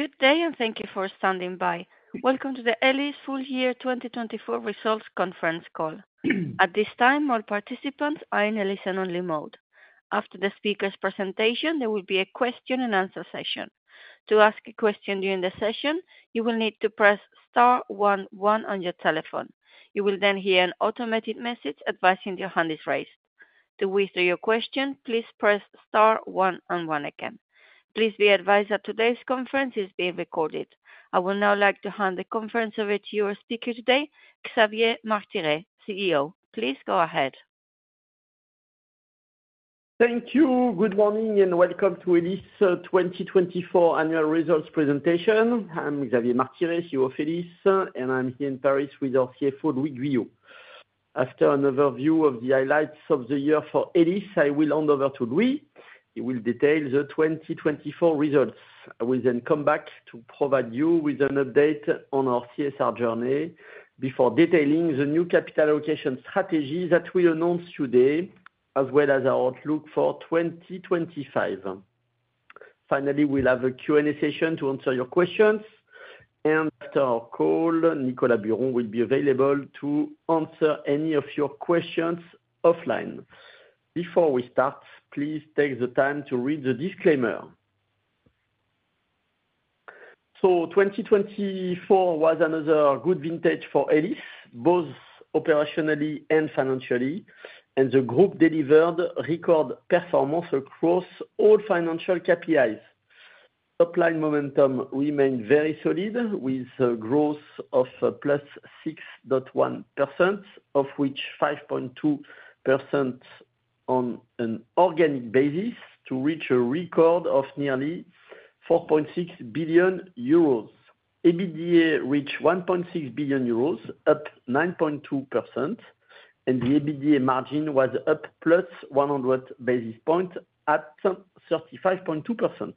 Good day, and thank you for standing by. Welcome to the Elis Full Year 2024 Results Conference Call. At this time, all participants are in listen-only mode. After the speaker's presentation, there will be a Q&A session. To ask a question during the session, you will need to press Star one one on your telephone. You will then hear an automated message advising your hand is raised. To withdraw your question, please press Star one one again. Please be advised that today's conference is being recorded. I would now like to hand the conference over to your speaker today, Xavier Martiré, CEO. Please go ahead. Thank you. Good morning and welcome to Elis 2024 annual results presentation. I'm Xavier Martiré, CEO of Elis, and I'm here in Paris with our CFO, Louis Guyot. After an overview of the highlights of the year for Elis, I will hand over to Louis. He will detail the 2024 results. I will then come back to provide you with an update on our CSR journey before detailing the new capital allocation strategy that we announced today, as well as our outlook for 2025. Finally, we'll have a Q&A session to answer your questions, and after our call, Nicolas Buron will be available to answer any of your questions offline. Before we start, please take the time to read the disclaimer, so 2024 was another good vintage for Elis, both operationally and financially, and the group delivered record performance across all financial KPIs. Top-line momentum remained very solid, with a growth of +6.1%, of which 5.2% on an organic basis, to reach a record of nearly 4.6 billion euros. EBITDA reached a 1.6 billion euros, up 9.2%, and the EBITDA margin was up +100 basis points at 35.2%.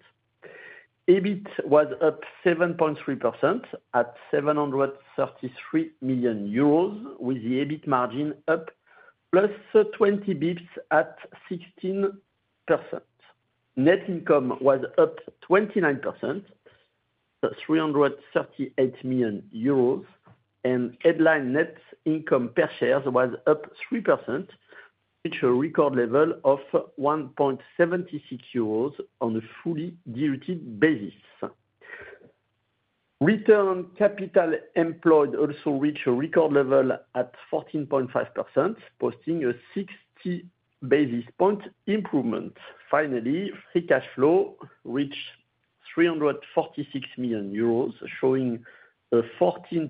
EBIT was up 7.3% at 733 million euros, with the EBIT margin up +20 basis points at 16%. Net income was up 29%, 338 million euros, and headline net income per share was up 3%, which is a record level of 1.76 euros on a fully diluted basis. Return on capital employed also reached a record level at 14.5%, posting a 60 basis points improvement. Finally, free cash flow reached 346 million euros, showing a 14%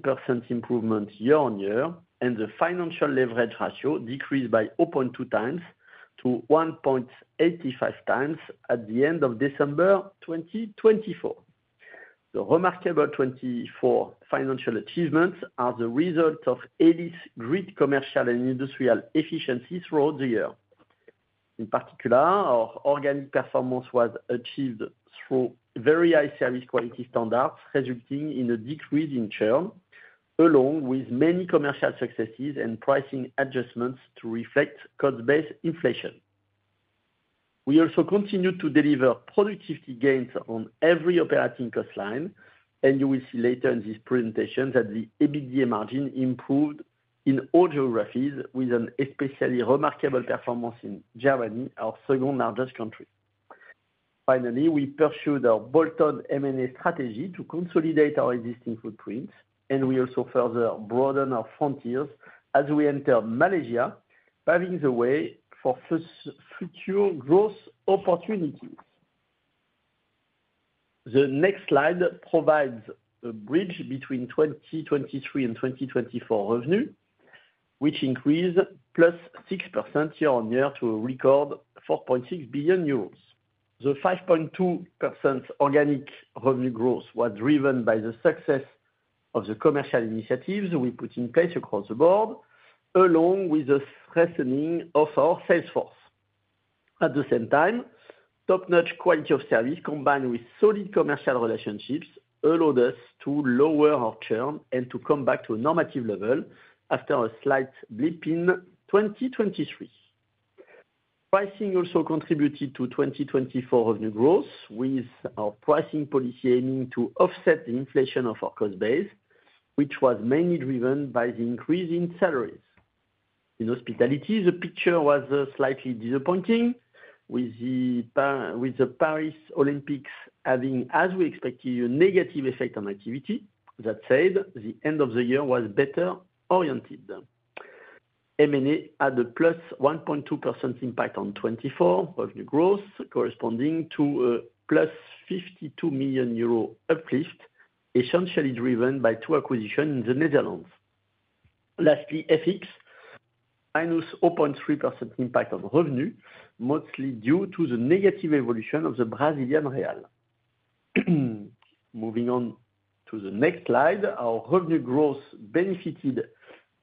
improvement year-on-year, and the financial leverage ratio decreased by 0.2 times to 1.85 times at the end of December 2024. The remarkable 2024 financial achievements are the results of Elis' great commercial and industrial efficiencies throughout the year. In particular, our organic performance was achieved through very high service quality standards, resulting in a decrease in churn, along with many commercial successes and pricing adjustments to reflect cost-based inflation. We also continued to deliver productivity gains on every operating cost line, and you will see later in this presentation that the EBITDA margin improved in all geographies, with an especially remarkable performance in Germany, our second-largest country. Finally, we pursued our bolt-on M&A strategy to consolidate our existing footprint, and we also further broadened our frontiers as we entered Malaysia, paving the way for future growth opportunities. The next slide provides a bridge between 2023 and 2024 revenue, which increased +6% year-on-year to a record 4.6 billion euros. The 5.2% organic revenue growth was driven by the success of the commercial initiatives we put in place across the board, along with the strengthening of our sales force. At the same time, top-notch quality of service combined with solid commercial relationships allowed us to lower our churn and to come back to a normative level after a slight blip in 2023. Pricing also contributed to 2024 revenue growth, with our pricing policy aiming to offset the inflation of our cost base, which was mainly driven by the increase in salaries. In hospitality, the picture was slightly disappointing, with the Paris Olympics having, as we expected, a negative effect on activity. That said, the end of the year was better oriented. M&A had a +1.2% impact on 2024 revenue growth, corresponding to a 52 million euro uplift, essentially driven by two acquisitions in the Netherlands. Lastly, FX -0.3% impact on revenue, mostly due to the negative evolution of the Brazilian real. Moving on to the next slide, our revenue growth benefited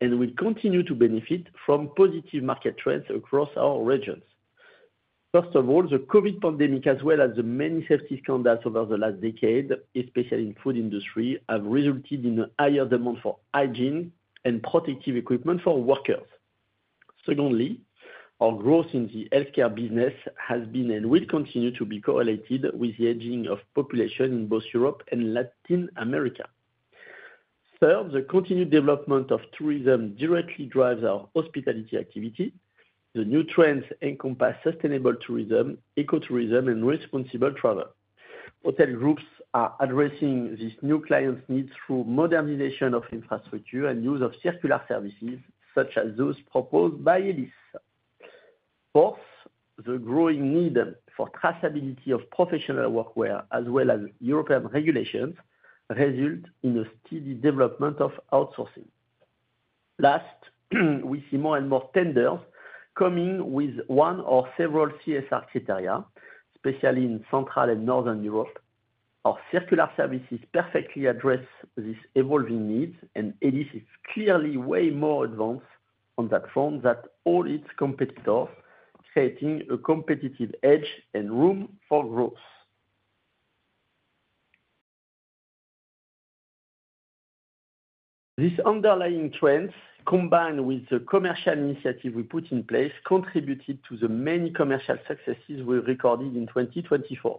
and will continue to benefit from positive market trends across our regions. First of all, the COVID pandemic, as well as the many safety scandals over the last decade, especially in the food industry, have resulted in a higher demand for hygiene and protective equipment for workers. Secondly, our growth in the healthcare business has been and will continue to be correlated with the aging of the population in both Europe and Latin America. Third, the continued development of tourism directly drives our hospitality activity. The new trends encompass sustainable tourism, ecotourism, and responsible travel. Hotel groups are addressing these new clients' needs through modernization of infrastructure and use of circular services, such as those proposed by Elis. Fourth, the growing need for traceability of professional workwear, as well as European regulations, results in a steady development of outsourcing. Last, we see more and more tenders coming with one or several CSR criteria, especially in Central and Northern Europe. Our circular services perfectly address these evolving needs, and Elis is clearly way more advanced on that front than all its competitors, creating a competitive edge and room for growth. These underlying trends, combined with the commercial initiatives we put in place, contributed to the many commercial successes we recorded in 2024.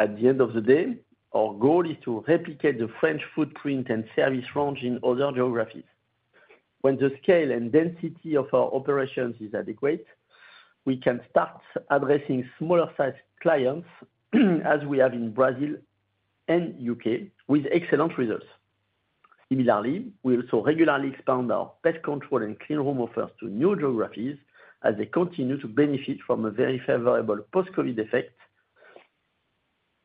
At the end of the day, our goal is to replicate the French footprint and service range in other geographies. When the scale and density of our operations is adequate, we can start addressing smaller-sized clients, as we have in Brazil and the U.K., with excellent results. Similarly, we also regularly expand our pest control and cleanroom offers to new geographies, as they continue to benefit from a very favorable post-COVID effect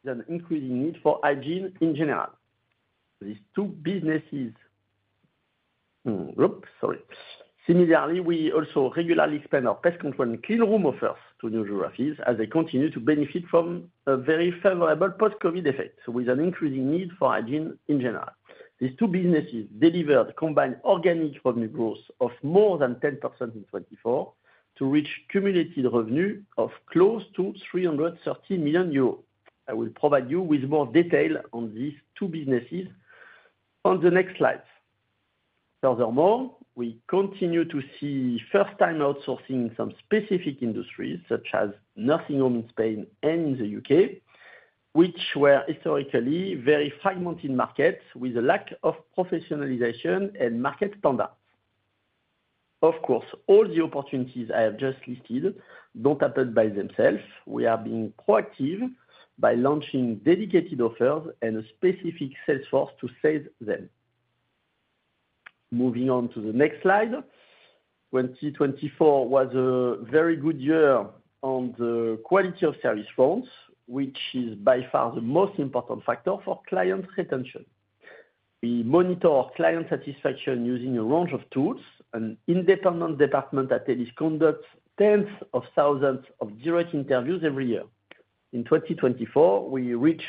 and increasing need for hygiene in general. These two businesses delivered combined organic revenue growth of more than 10% in 2024, to reach cumulative revenue of close to 330 million euros. I will provide you with more detail on these two businesses on the next slides. Furthermore, we continue to see first-time outsourcing in some specific industries, such as nursing homes in Spain and in the U.K., which were historically very fragmented markets with a lack of professionalization and market standards. Of course, all the opportunities I have just listed don't happen by themselves. We are being proactive by launching dedicated offers and a specific sales force to save them. Moving on to the next slide, 2024 was a very good year on the quality of service front, which is by far the most important factor for client retention. We monitor client satisfaction using a range of tools. An independent department at Elis conducts tens of thousands of direct interviews every year. In 2024, we reached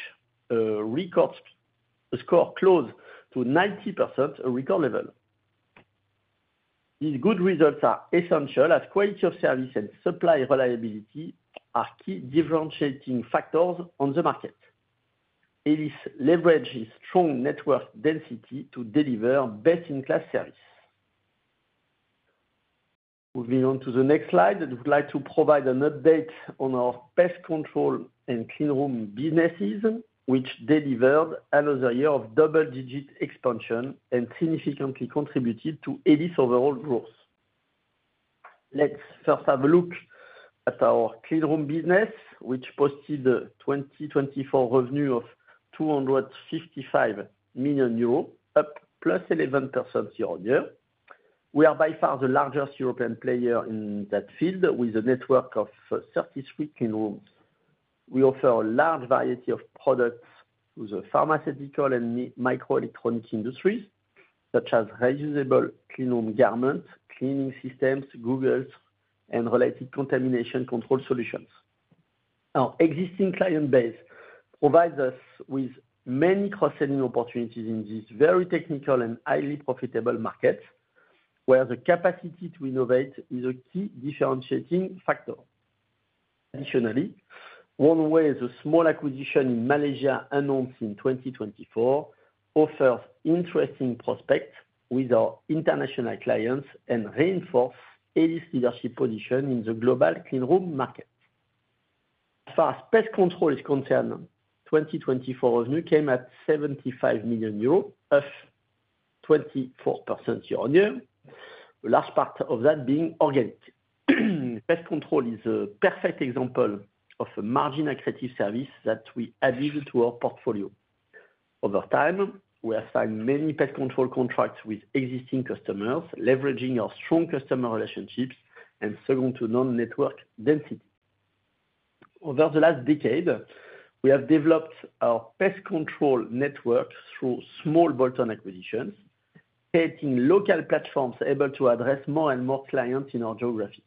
a record score close to 90%, a record level. These good results are essential, as quality of service and supply reliability are key differentiating factors on the market. Elis leverages strong network density to deliver best-in-class service. Moving on to the next slide, I would like to provide an update on our pest control and cleanroom businesses, which delivered another year of double-digit expansion and significantly contributed to Elis' overall growth. Let's first have a look at our cleanroom business, which posted a 2024 revenue of 255 million euros, up +11% year-on-year. We are by far the largest European player in that field, with a network of 33 cleanrooms. We offer a large variety of products to the pharmaceutical and microelectronics industries, such as reusable cleanroom garments, cleaning systems, goggles, and related contamination control solutions. Our existing client base provides us with many cross-selling opportunities in these very technical and highly profitable markets, where the capacity to innovate is a key differentiating factor. Additionally, Wonway is a small acquisition in Malaysia announced in 2024, offers interesting prospects with our international clients and reinforces Elis' leadership position in the global cleanroom market. As far as pest control is concerned, 2024 revenue came at 75 million euros, up 24% year-on-year, a large part of that being organic. Pest control is a perfect example of a margin-accretive service that we added to our portfolio. Over time, we have signed many pest control contracts with existing customers, leveraging our strong customer relationships and second-to-none network density. Over the last decade, we have developed our pest control network through small bolt-on acquisitions, creating local platforms able to address more and more clients in our geographies.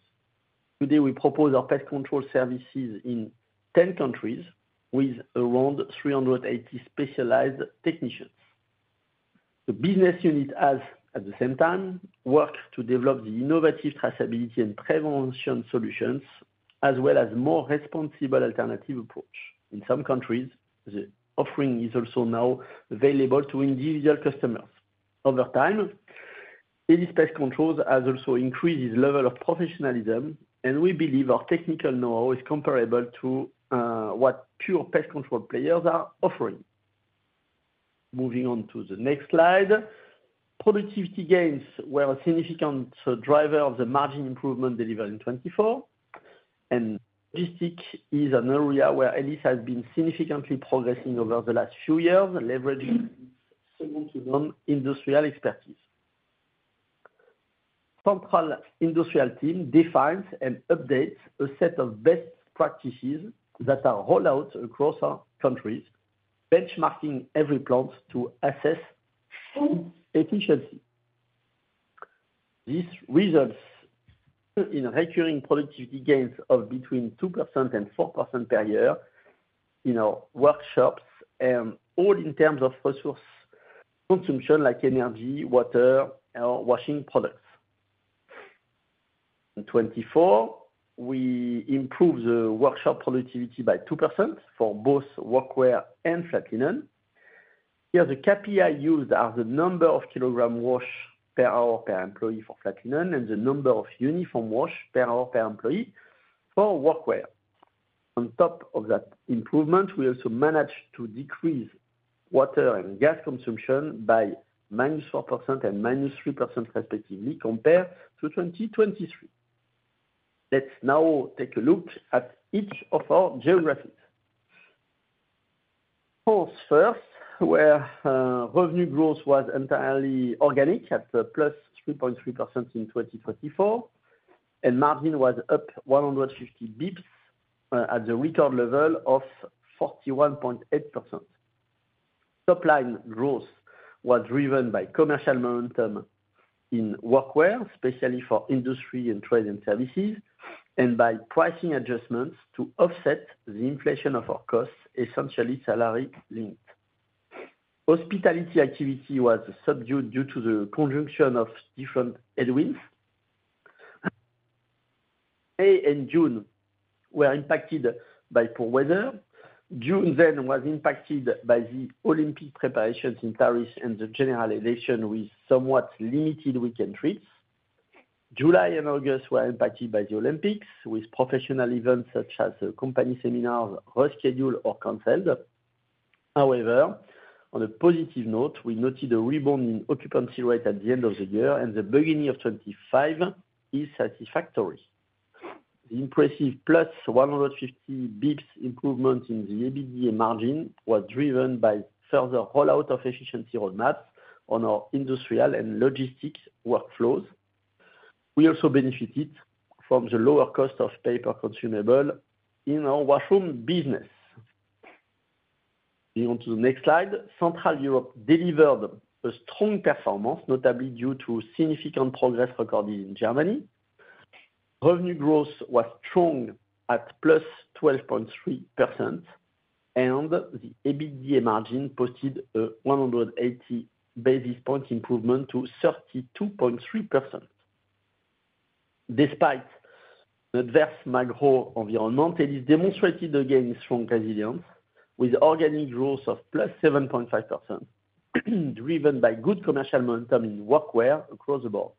Today, we propose our pest control services in 10 countries with around 380 specialized technicians. The business unit has, at the same time, worked to develop the innovative traceability and prevention solutions, as well as a more responsible alternative approach. In some countries, the offering is also now available to individual customers. Over time, Elis Pest Control has also increased its level of professionalism, and we believe our technical know-how is comparable to what pure pest control players are offering. Moving on to the next slide, productivity gains were a significant driver of the margin improvement delivered in 2024, and logistics is an area where Elis has been significantly progressing over the last few years, leveraging its second-to-none industrial expertise. The central industrial team defines and updates a set of best practices that are rolled out across our countries, benchmarking every plant to assess efficiency. These results in recurring productivity gains of between 2% and 4% per year in our workshops, all in terms of resource consumption, like energy, water, and washing products. In 2024, we improved the workshop productivity by 2% for both workwear and flat linen. Here, the KPIs used are the number of kilograms washed per hour per employee for flat linen and the number of uniforms washed per hour per employee for workwear. On top of that improvement, we also managed to decrease water and gas consumption by -4% and -3%, respectively, compared to 2023. Let's now take a look at each of our geographies. First, where revenue growth was entirely organic at +3.3% in 2024, and margin was up 150 basis points at the record level of 41.8%. Top-line growth was driven by commercial momentum in workwear, especially for industry and trade and services, and by pricing adjustments to offset the inflation of our costs, essentially salary-linked. Hospitality activity was subdued due to the conjunction of different headwinds. May and June were impacted by poor weather. June then was impacted by the Olympic preparations in Paris and the general election, with somewhat limited weekend treats. July and August were impacted by the Olympics, with professional events such as company seminars rescheduled or canceled. However, on a positive note, we noted a rebound in occupancy rate at the end of the year, and the beginning of 2025 is satisfactory. The impressive +150 basis points improvement in the EBITDA margin was driven by further rollout of efficiency roadmaps on our industrial and logistics workflows. We also benefited from the lower cost of paper consumables in our washroom business. Moving on to the next slide, Central Europe delivered a strong performance, notably due to significant progress recorded in Germany. Revenue growth was strong at +12.3%, and the EBITDA margin posted a 180 basis point improvement to 32.3%. Despite adverse macro-environment, Elis demonstrated again strong resilience, with organic growth of +7.5%, driven by good commercial momentum in workwear across the board.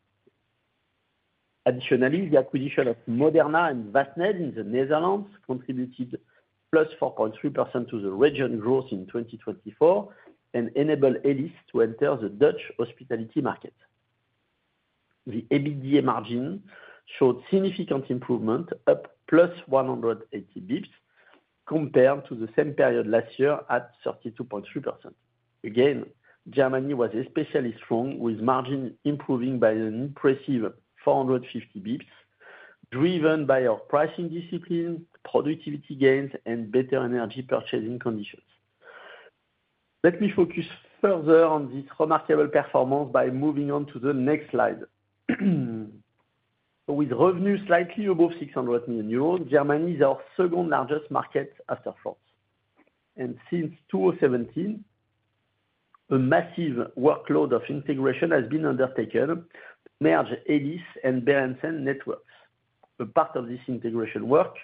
Additionally, the acquisition of Moderna and Wasned in the Netherlands contributed +4.3% to the region's growth in 2024 and enabled Elis to enter the Dutch hospitality market. The EBITDA margin showed significant improvement, up +180 basis points compared to the same period last year at 32.3%. Again, Germany was especially strong, with margins improving by an impressive 450 basis points, driven by our pricing discipline, productivity gains, and better energy purchasing conditions. Let me focus further on this remarkable performance by moving on to the next slide. With revenues slightly above 600 million euros, Germany is our second-largest market after France. Since 2017, a massive workload of integration has been undertaken to merge Elis and Berendsen networks. As part of this integration work,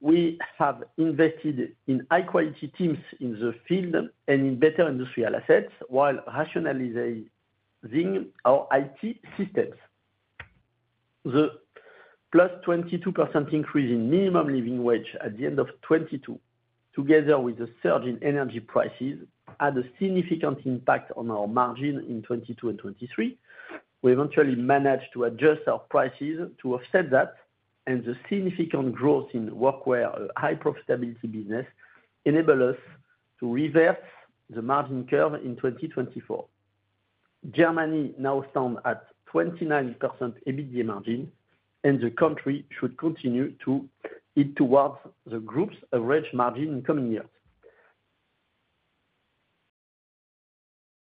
we have invested in high-quality teams in the field and in better industrial assets, while rationalizing our IT systems. The +22% increase in minimum living wage at the end of 2022, together with the surge in energy prices, had a significant impact on our margin in 2022 and 2023. We eventually managed to adjust our prices to offset that, and the significant growth in workwear and high-profitability business enabled us to reverse the margin curve in 2024. Germany now stands at 29% EBITDA margin, and the country should continue to head towards the group's average margin in coming years.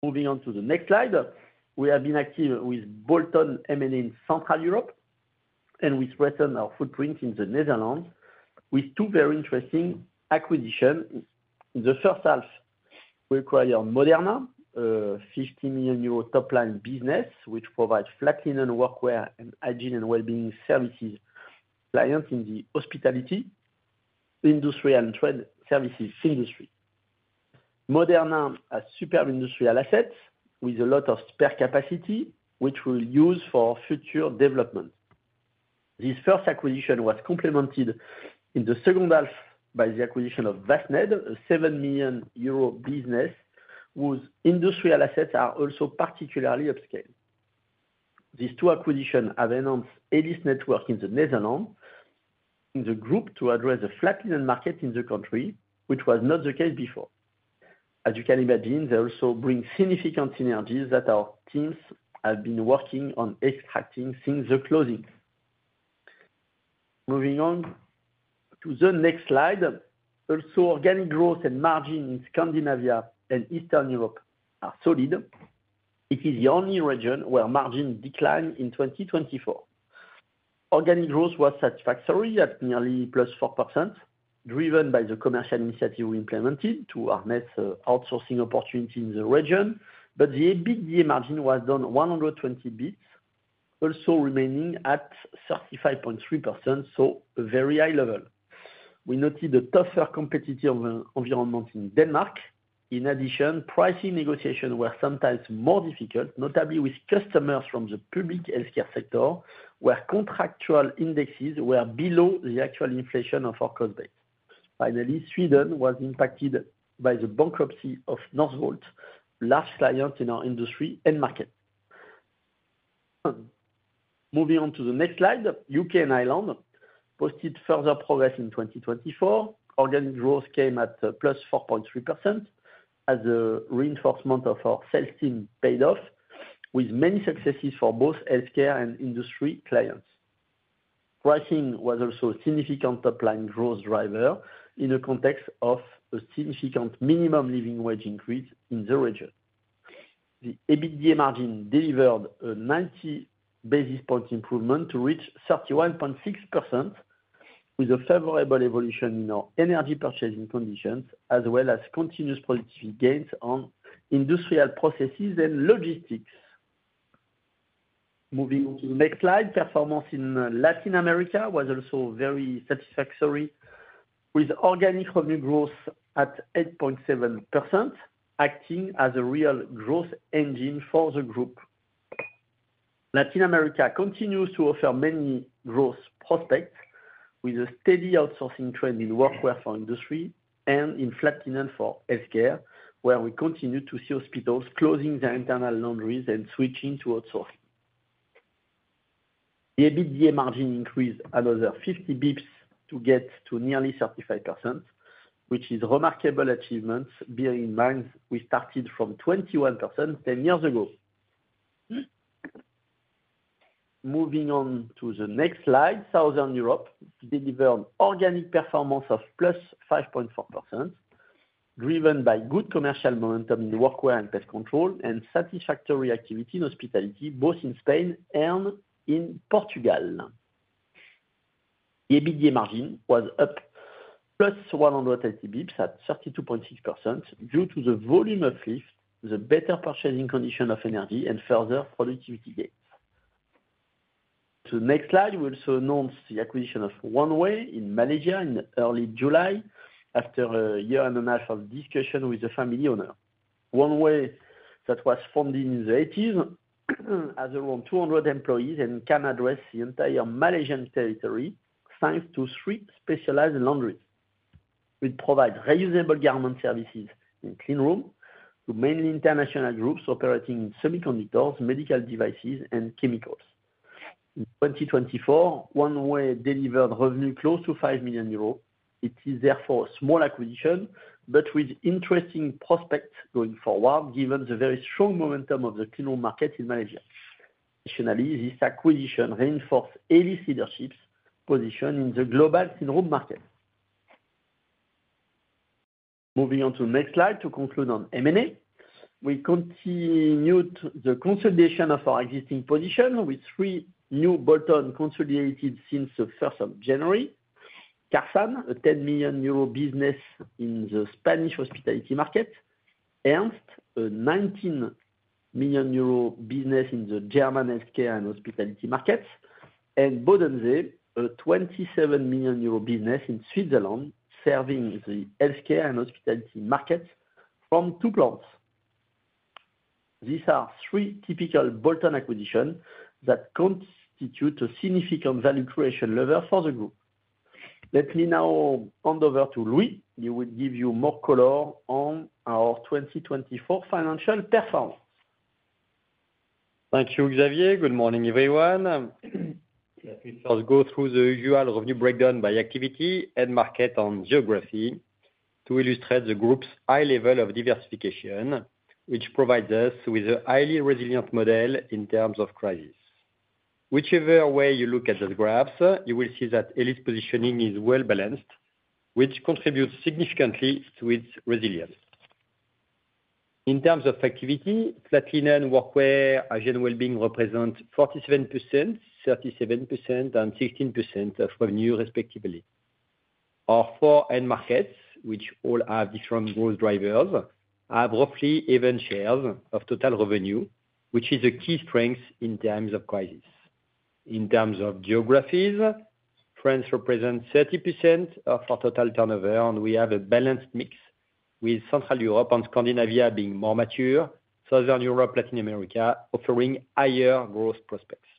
Moving on to the next slide, we have been active with bolt-on M&A in Central Europe and with reinforcing in our footprint in the Netherlands, with two very interesting acquisitions. In the first half, we acquired Moderna, a 50 million euro top-line business, which provides flat linen workwear and hygiene and well-being services clients in the hospitality industry and trade services industry. Moderna has superb industrial assets with a lot of spare capacity, which we will use for future development. This first acquisition was complemented in the second half by the acquisition of Wasned, a seven million euro business, whose industrial assets are also particularly upscale. These two acquisitions have enhanced Elis' network in the Netherlands, bringing the group to address the flat linen market in the country, which was not the case before. As you can imagine, they also bring significant synergies that our teams have been working on extracting since the closing. Moving on to the next slide, also organic growth and margin in Scandinavia and Eastern Europe are solid. It is the only region where margin declined in 2024. Organic growth was satisfactory at nearly +4%, driven by the commercial initiative we implemented to harness outsourcing opportunities in the region, but the EBITDA margin was down 120 basis points, also remaining at 35.3%, so a very high level. We noted a tougher competitive environment in Denmark. In addition, pricing negotiations were sometimes more difficult, notably with customers from the public healthcare sector, where contractual indexes were below the actual inflation of our cost base. Finally, Sweden was impacted by the bankruptcy of Northvolt, a large client in our industry and market. Moving on to the next slide, the U.K. and Ireland posted further progress in 2024. Organic growth came at +4.3% as a reinforcement of our sales team paid off, with many successes for both healthcare and industry clients. Pricing was also a significant top-line growth driver in the context of a significant minimum living wage increase in the region. The EBITDA margin delivered a 90 basis points improvement to reach 31.6%, with a favorable evolution in our energy purchasing conditions, as well as continuous productivity gains on industrial processes and logistics. Moving on to the next slide, performance in Latin America was also very satisfactory, with organic revenue growth at 8.7%, acting as a real growth engine for the group. Latin America continues to offer many growth prospects, with a steady outsourcing trend in workwear for industry and in flat linen for healthcare, where we continue to see hospitals closing their internal laundries and switching to outsourcing. The EBITDA margin increased another 50 basis points to get to nearly 35%, which is a remarkable achievement, bearing in mind we started from 21% 10 years ago. Moving on to the next slide, Southern Europe delivered an organic performance of +5.4%, driven by good commercial momentum in workwear and pest control, and satisfactory activity in hospitality, both in Spain and in Portugal. The EBITDA margin was up +180 basis points at 32.6% due to the volume uplift, the better purchasing conditions of energy, and further productivity gains. To the next slide, we also announced the acquisition of Wonway in Malaysia in early July, after a year and a half of discussion with the family owner. Wonway that was founded in the 1980s has around 200 employees and can address the entire Malaysian territory, thanks to three specialized laundries. It provides reusable garment services in cleanrooms to mainly international groups operating in semiconductors, medical devices, and chemicals. In 2024, Wonway delivered revenue close to 5 million euros. It is therefore a small acquisition, but with interesting prospects going forward, given the very strong momentum of the cleanroom market in Malaysia. Additionally, this acquisition reinforced Elis leadership's position in the global cleanroom market. Moving on to the next slide to conclude on M&A, we continued the consolidation of our existing position with three new bolt-ons consolidated since the 1st of January. Carsan, a 10 million euro business in the Spanish hospitality market, Ernst, a 19 million euro business in the German healthcare and hospitality markets, and Bodensee, a 27 million euro business in Switzerland, serving the healthcare and hospitality markets from two plants. These are three typical bolt-on acquisitions that constitute a significant value creation lever for the group. Let me now hand over to Louis, who will give you more color on our 2024 financial performance. Thank you, Xavier. Good morning, everyone. Let me first go through the usual revenue breakdown by activity and market and geography to illustrate the group's high level of diversification, which provides us with a highly resilient model in terms of crisis. Whichever way you look at the graphs, you will see that Elis positioning is well balanced, which contributes significantly to its resilience. In terms of activity, flat linen and workwear and hygiene and well-being represent 47%, 37%, and 16% of revenue, respectively. Our four end markets, which all have different growth drivers, have roughly even shares of total revenue, which is a key strength in times of crisis. In terms of geographies, France represents 30% of our total turnover, and we have a balanced mix, with Central Europe and Scandinavia being more mature, Southern Europe and Latin America offering higher growth prospects.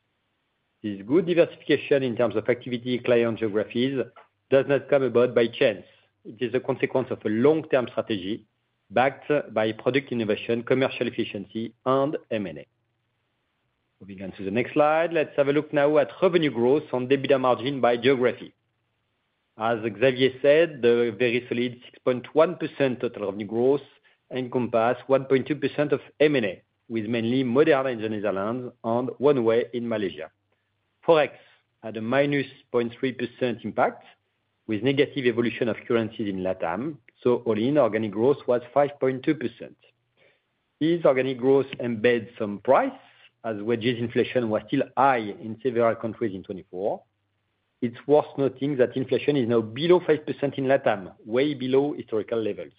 This good diversification in terms of activity and client geographies does not come about by chance. It is a consequence of a long-term strategy backed by product innovation, commercial efficiency, and M&A. Moving on to the next slide, let's have a look now at revenue growth on EBITDA margin by geography. As Xavier said, the very solid 6.1% total revenue growth encompasses 1.2% of M&A, with mainly Moderna in the Netherlands and Wonway in Malaysia. Forex had a -0.3% impact, with negative evolution of currencies in LatAm. So, all in, organic growth was 5.2%. This organic growth embedded some price, as wages inflation was still high in several countries in 2024. It's worth noting that inflation is now below 5% in LatAm, way below historical levels.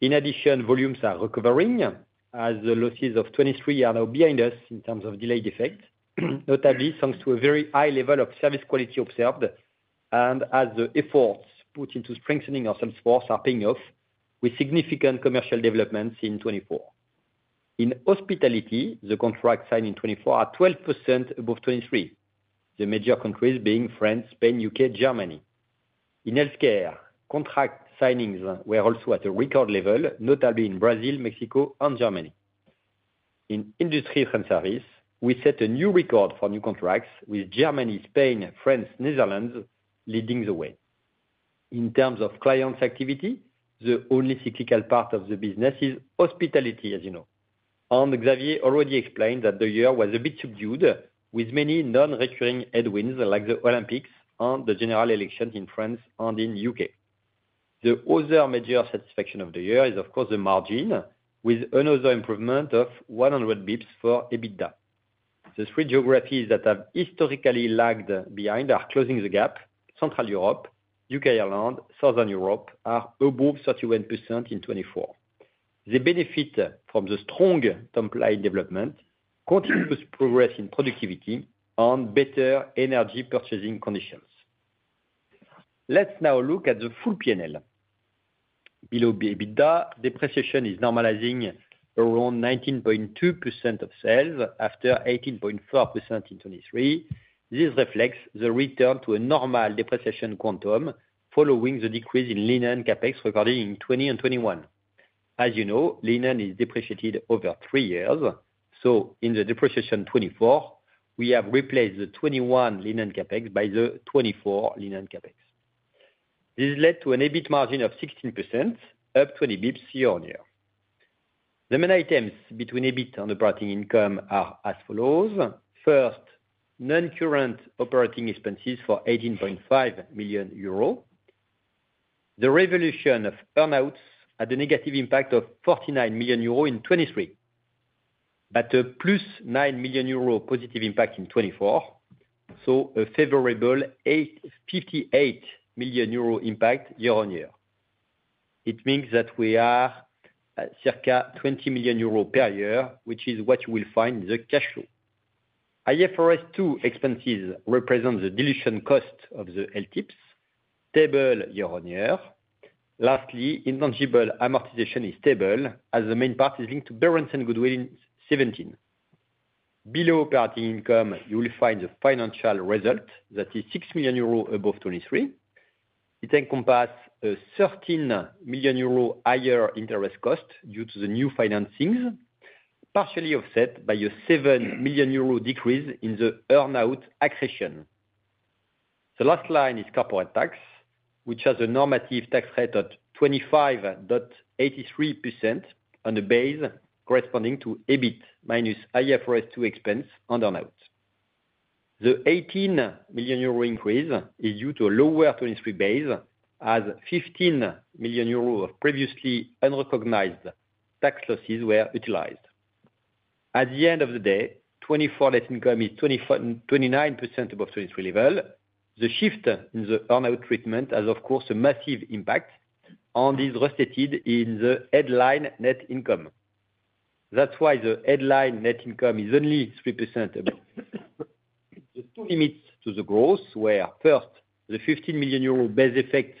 In addition, volumes are recovering, as the losses of 2023 are now behind us in terms of delayed effect, notably thanks to a very high level of service quality observed, and as the efforts put into strengthening our sales force are paying off, with significant commercial developments in 2024. In hospitality, the contracts signed in 2024 are 12% above 2023, the major countries being France, Spain, the U.K., and Germany. In healthcare, contract signings were also at a record level, notably in Brazil, Mexico, and Germany. In industry and service, we set a new record for new contracts, with Germany, Spain, France, and the Netherlands leading the way. In terms of client activity, the only cyclical part of the business is hospitality, as you know. And Xavier already explained that the year was a bit subdued, with many non-recurring headwinds like the Olympics and the general elections in France and in the U.K. The other major satisfaction of the year is, of course, the margin, with another improvement of 100 basis points for EBITDA. The three geographies that have historically lagged behind are closing the gap. Central Europe, the UK, and Ireland, Southern Europe are above 31% in 2024. They benefit from the strong top-line development, continuous progress in productivity, and better energy purchasing conditions. Let's now look at the full P&L. Below EBITDA, depreciation is normalizing around 19.2% of sales after 18.4% in 2023. This reflects the return to a normal depreciation quantum following the decrease in linen capex recorded in 2020 and 2021. As you know, linen is depreciated over three years. So, in the depreciation of 2024, we have replaced the 2021 linen capex by the 2024 linen capex. This led to an EBIT margin of 16%, up 20 basis points year-on-year. The main items between EBIT and operating income are as follows. First, non-current operating expenses for 18.5 million euros. The revaluation of earnouts had a negative impact of 49 million euros in 2023, but a 9 million euros positive impact in 2024. So, a favorable 58 million euro impact year-on-year. It means that we are at circa 20 million euros per year, which is what you will find in the cash flow. IFRS 2 expenses represent the dilution cost of the LTIPs, stable year-on-year. Lastly, intangible amortization is stable, as the main part is linked to Berendsen Goodwill in 2017. Below operating income, you will find the financial result that is 6 million euros above 2023. It encompasses a 13 million euros higher interest cost due to the new financings, partially offset by a 7 million euros decrease in the earnout accretion. The last line is corporate tax, which has a normative tax rate of 25.83% on the base corresponding to EBIT minus IFRS 2 expense on earnouts. The 18 million euro increase is due to a lower 2023 base, as 15 million euro of previously unrecognized tax losses were utilized. At the end of the day, 2024 net income is 29% above 2023 level. The shift in the earnout treatment has, of course, a massive impact, and this is restated in the headline net income. That's why the headline net income is only 3% above. The two limits to the growth were first, the 15 million euro base effect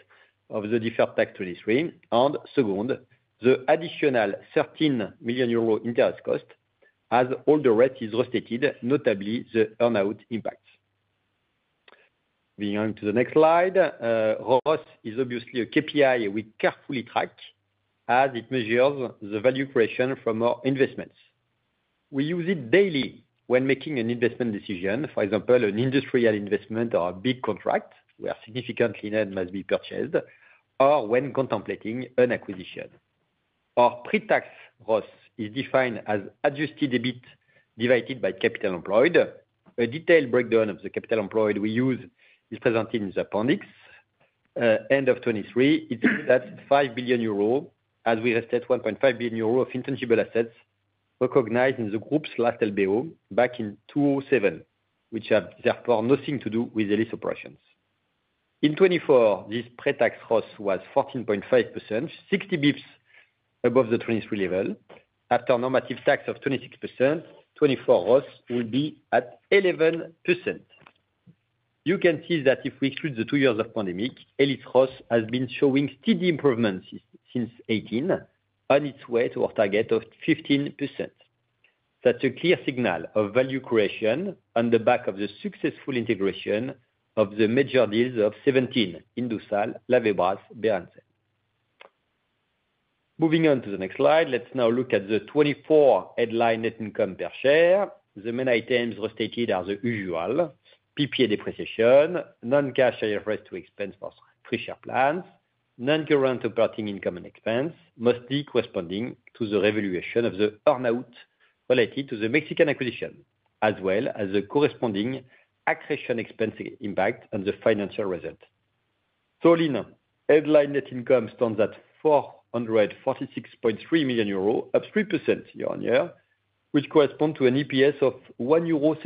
of the deferred tax 2023, and second, the additional 13 million euro interest cost, as all the rest is restated, notably the earnout impacts. Moving on to the next slide, ROS is obviously a KPI we carefully track, as it measures the value creation from our investments. We use it daily when making an investment decision, for example, an industrial investment or a big contract where significant linen must be purchased, or when contemplating an acquisition. Our pre-tax ROS is defined as adjusted EBIT divided by capital employed. A detailed breakdown of the capital employed we use is presented in the appendix. End of 2023, it's that 5 billion euro, as we restated 1.5 billion euro of intangible assets recognized in the group's last LBO back in 2007, which have therefore nothing to do with Elis operations. In 2024, this pre-tax ROS was 14.5%, 60 basis points above the 2023 level. After normative tax of 26%, 2024 ROS will be at 11%. You can see that if we exclude the two years of pandemic, Elis ROS has been showing steady improvements since 2018, on its way to our target of 15%. That's a clear signal of value creation on the back of the successful integration of the major deals of 2017 Indusal, Lavebras, and Berendsen. Moving on to the next slide, let's now look at the 2024 headline net income per share. The main items restated are the usual: PPA depreciation, non-cash IFRS 2 expense for free share plans, non-current operating income and expense, mostly corresponding to the revaluation of the earnout related to the Mexican acquisition, as well as the corresponding accretion expense impact on the financial result. So, all in, headline net income stands at 446.3 million euros, up 3% year-on-year, which corresponds to an EPS of 1.76 euro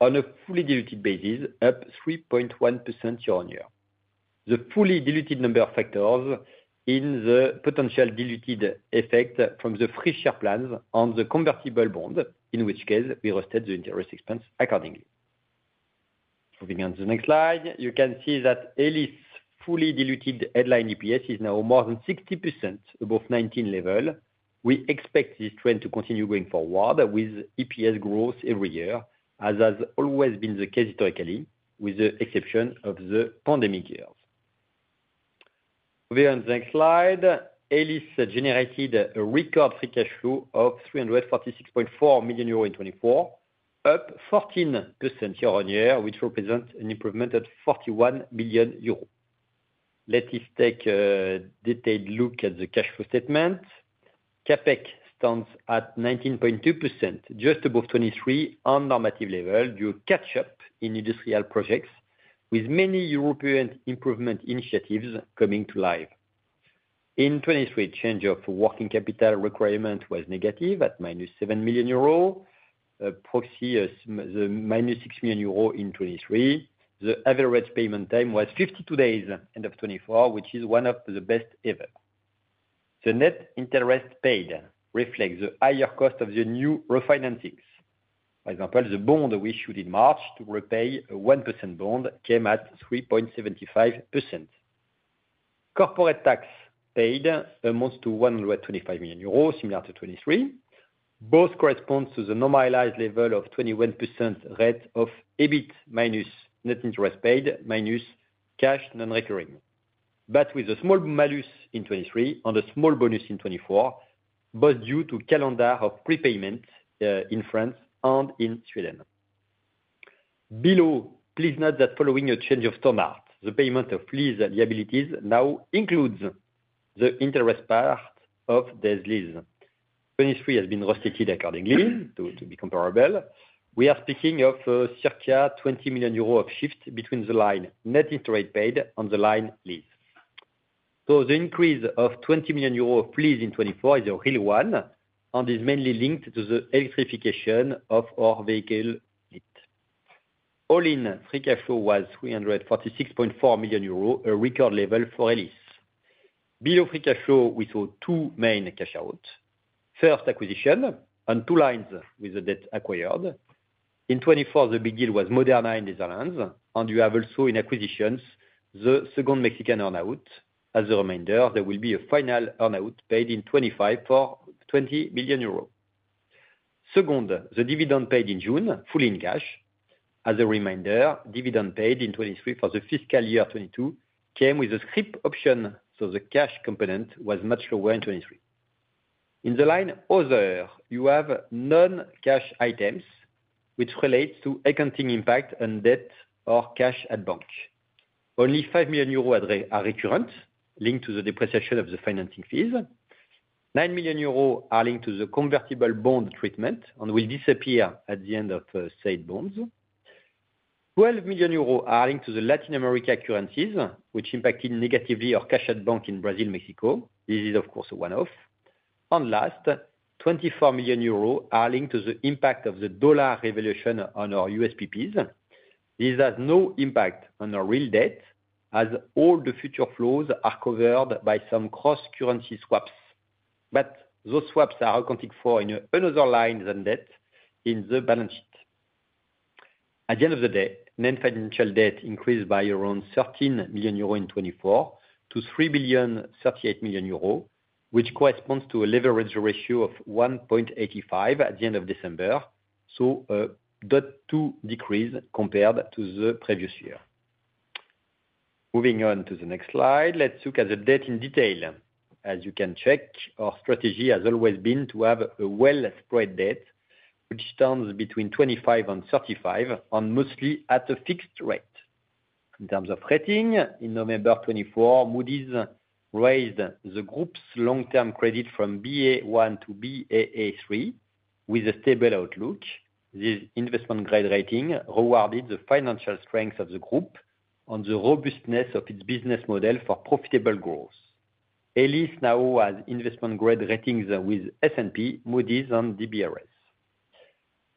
on a fully diluted basis, up 3.1% year-on-year. The fully diluted number factors in the potential diluted effect from the free share plans and the convertible bond, in which case we reversed the interest expense accordingly. Moving on to the next slide, you can see that Elis fully diluted headline EPS is now more than 60% above 2019 level. We expect this trend to continue going forward with EPS growth every year, as has always been the case historically, with the exception of the pandemic years. Moving on to the next slide, Elis generated a record free cash flow of 346.4 million euros in 2024, up 14% year-on-year, which represents an improvement of 41 million euros. Let's take a detailed look at the cash flow statement. CapEx stands at 19.2%, just above 2023 on normative level due to catch-up in industrial projects, with many European improvement initiatives coming to life. In 2023, change of working capital requirement was negative at 7 million euro, approximately 6 million euro in 2023. The average payment time was 52 days end of 2024, which is one of the best ever. The net interest paid reflects the higher cost of the new refinancings. For example, the bond we issued in March to repay a 1% bond came at 3.75%. Corporate tax paid amounts to 125 million euros, similar to 2023. Both correspond to the normalized level of 21% rate of EBIT minus net interest paid minus cash non-recurring, but with a small bonus in 2023 and a small bonus in 2024, both due to calendar of prepayment in France and in Sweden. Below, please note that following a change of standard, the payment of lease liabilities now includes the interest part of those leases. 2023 has been restated accordingly to be comparable. We are speaking of circa 20 million euros of shift between the line net interest rate paid and the line lease, so, the increase of 20 million euros of lease in 2024 is a real one, and is mainly linked to the electrification of our vehicle fleet. All-in free cash flow was 346.4 million euros, a record level for Elis. Below free cash flow, we saw two main cash outs. First, acquisition on two lines with the debt acquired. In 2024, the big deal was Moderna in the Netherlands, and you have also in acquisitions the second Mexican earnout. As a reminder, there will be a final earnout paid in 2025 for 20 million euros. Second, the dividend paid in June, fully in cash. As a reminder, dividend paid in 2023 for the fiscal year 2022 came with a scrip option, so the cash component was much lower in 2023. In the line other, you have non-cash items, which relates to accounting impact on debt or cash at bank. Only 5 million euros are recurrent, linked to the depreciation of the financing fees. 9 million euros are linked to the convertible bond treatment and will disappear at the end of said bonds. 12 million euros are linked to the Latin America currencies, which impacted negatively our cash at bank in Brazil and Mexico. This is, of course, a one-off. And last, 24 million euros are linked to the impact of the dollar revaluation on our USPPs. This has no impact on our real debt, as all the future flows are covered by some cross-currency swaps. But those swaps are accounted for in another line than debt in the balance sheet. At the end of the day, net financial debt increased by around 13 million euro in 2024 to 3.38 million euro, which corresponds to a leverage ratio of 1.85 at the end of December, so a 0.2 decrease compared to the previous year. Moving on to the next slide, let's look at the debt in detail. As you can check, our strategy has always been to have a well-spread debt, which stands between 25 and 35, and mostly at a fixed rate. In terms of rating in November 2024, Moody's raised the group's long-term credit from Ba1 to Baa3 with a stable outlook. This investment-grade rating rewarded the financial strength of the group and the robustness of its business model for profitable growth. Elis now has investment-grade ratings with S&P, Moody's, and DBRS.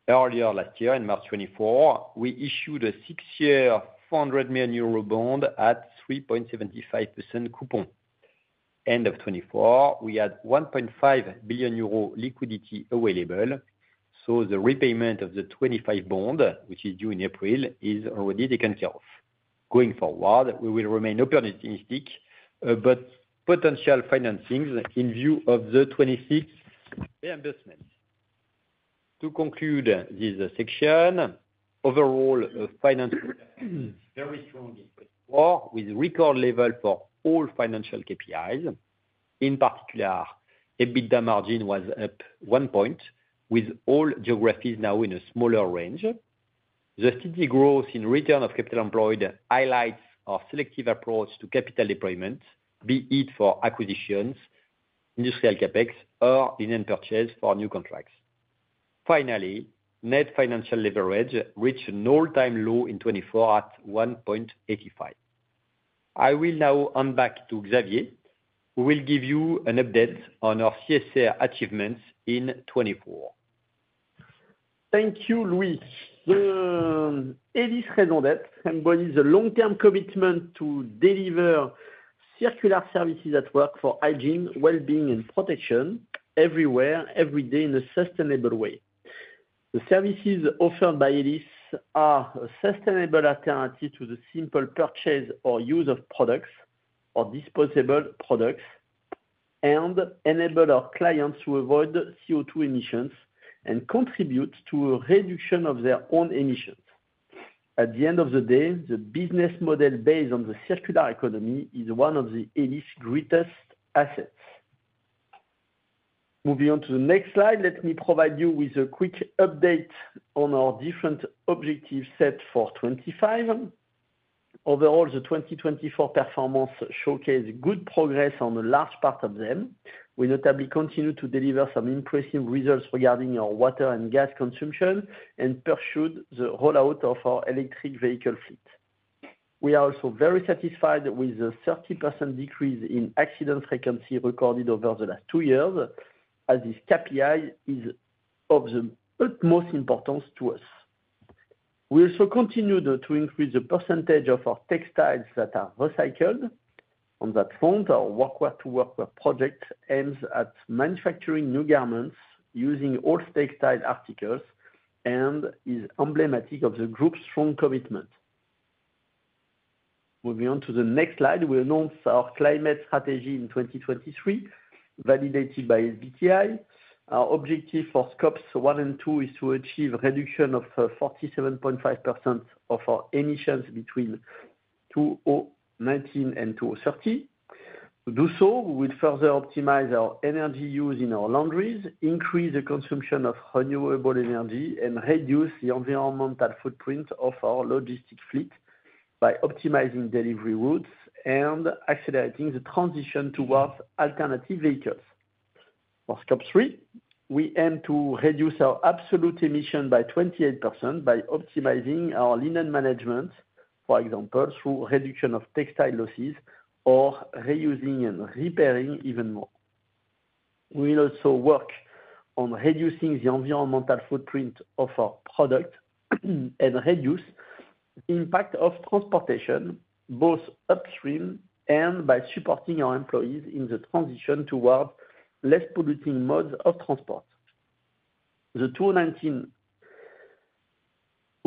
Earlier last year, in March 2024, we issued a six-year 400 million euro bond at 3.75% coupon. End of 2024, we had 1.5 billion euro liquidity available. So, the repayment of the 2025 bond, which is due in April, is already taken care of. Going forward, we will remain optimistic about potential financings in view of the 2026 reinvestment. To conclude this section, overall finance is very strong in 2024, with a record level for all financial KPIs. In particular, EBITDA margin was up one point, with all geographies now in a smaller range. The steady growth in return on capital employed highlights our selective approach to capital deployment, be it for acquisitions, industrial capex, or linen purchase for new contracts. Finally, net financial leverage reached an all-time low in 2024 at 1.85. I will now hand back to Xavier, who will give you an update on our CSR achievements in 2024. Thank you, Louis. Elis represents a long-term commitment to deliver circular services at work for hygiene, well-being, and protection everywhere, every day, in a sustainable way. The services offered by Elis are a sustainable alternative to the simple purchase or use of products or disposable products and enable our clients to avoid CO2 emissions and contribute to a reduction of their own emissions. At the end of the day, the business model based on the circular economy is one of Elis's greatest assets. Moving on to the next slide, let me provide you with a quick update on our different objectives set for 2025. Overall, the 2024 performance showcased good progress on a large part of them. We notably continue to deliver some impressive results regarding our water and gas consumption and pursued the rollout of our electric vehicle fleet. We are also very satisfied with the 30% decrease in accident frequency recorded over the last two years, as this KPI is of the utmost importance to us. We also continued to increase the percentage of our textiles that are recycled. On that front, our Workwear-to-Workwear project aims at manufacturing new garments using old textile articles and is emblematic of the group's strong commitment. Moving on to the next slide, we announced our climate strategy in 2023, validated by SBTi. Our objective for scopes one and two is to achieve a reduction of 47.5% of our emissions between 2019 and 2030. To do so, we will further optimize our energy use in our laundries, increase the consumption of renewable energy, and reduce the environmental footprint of our logistics fleet by optimizing delivery routes and accelerating the transition towards alternative vehicles. For scope three, we aim to reduce our absolute emission by 28% by optimizing our linen management, for example, through reduction of textile losses or reusing and repairing even more. We will also work on reducing the environmental footprint of our product and reduce the impact of transportation, both upstream and by supporting our employees in the transition towards less polluting modes of transport. The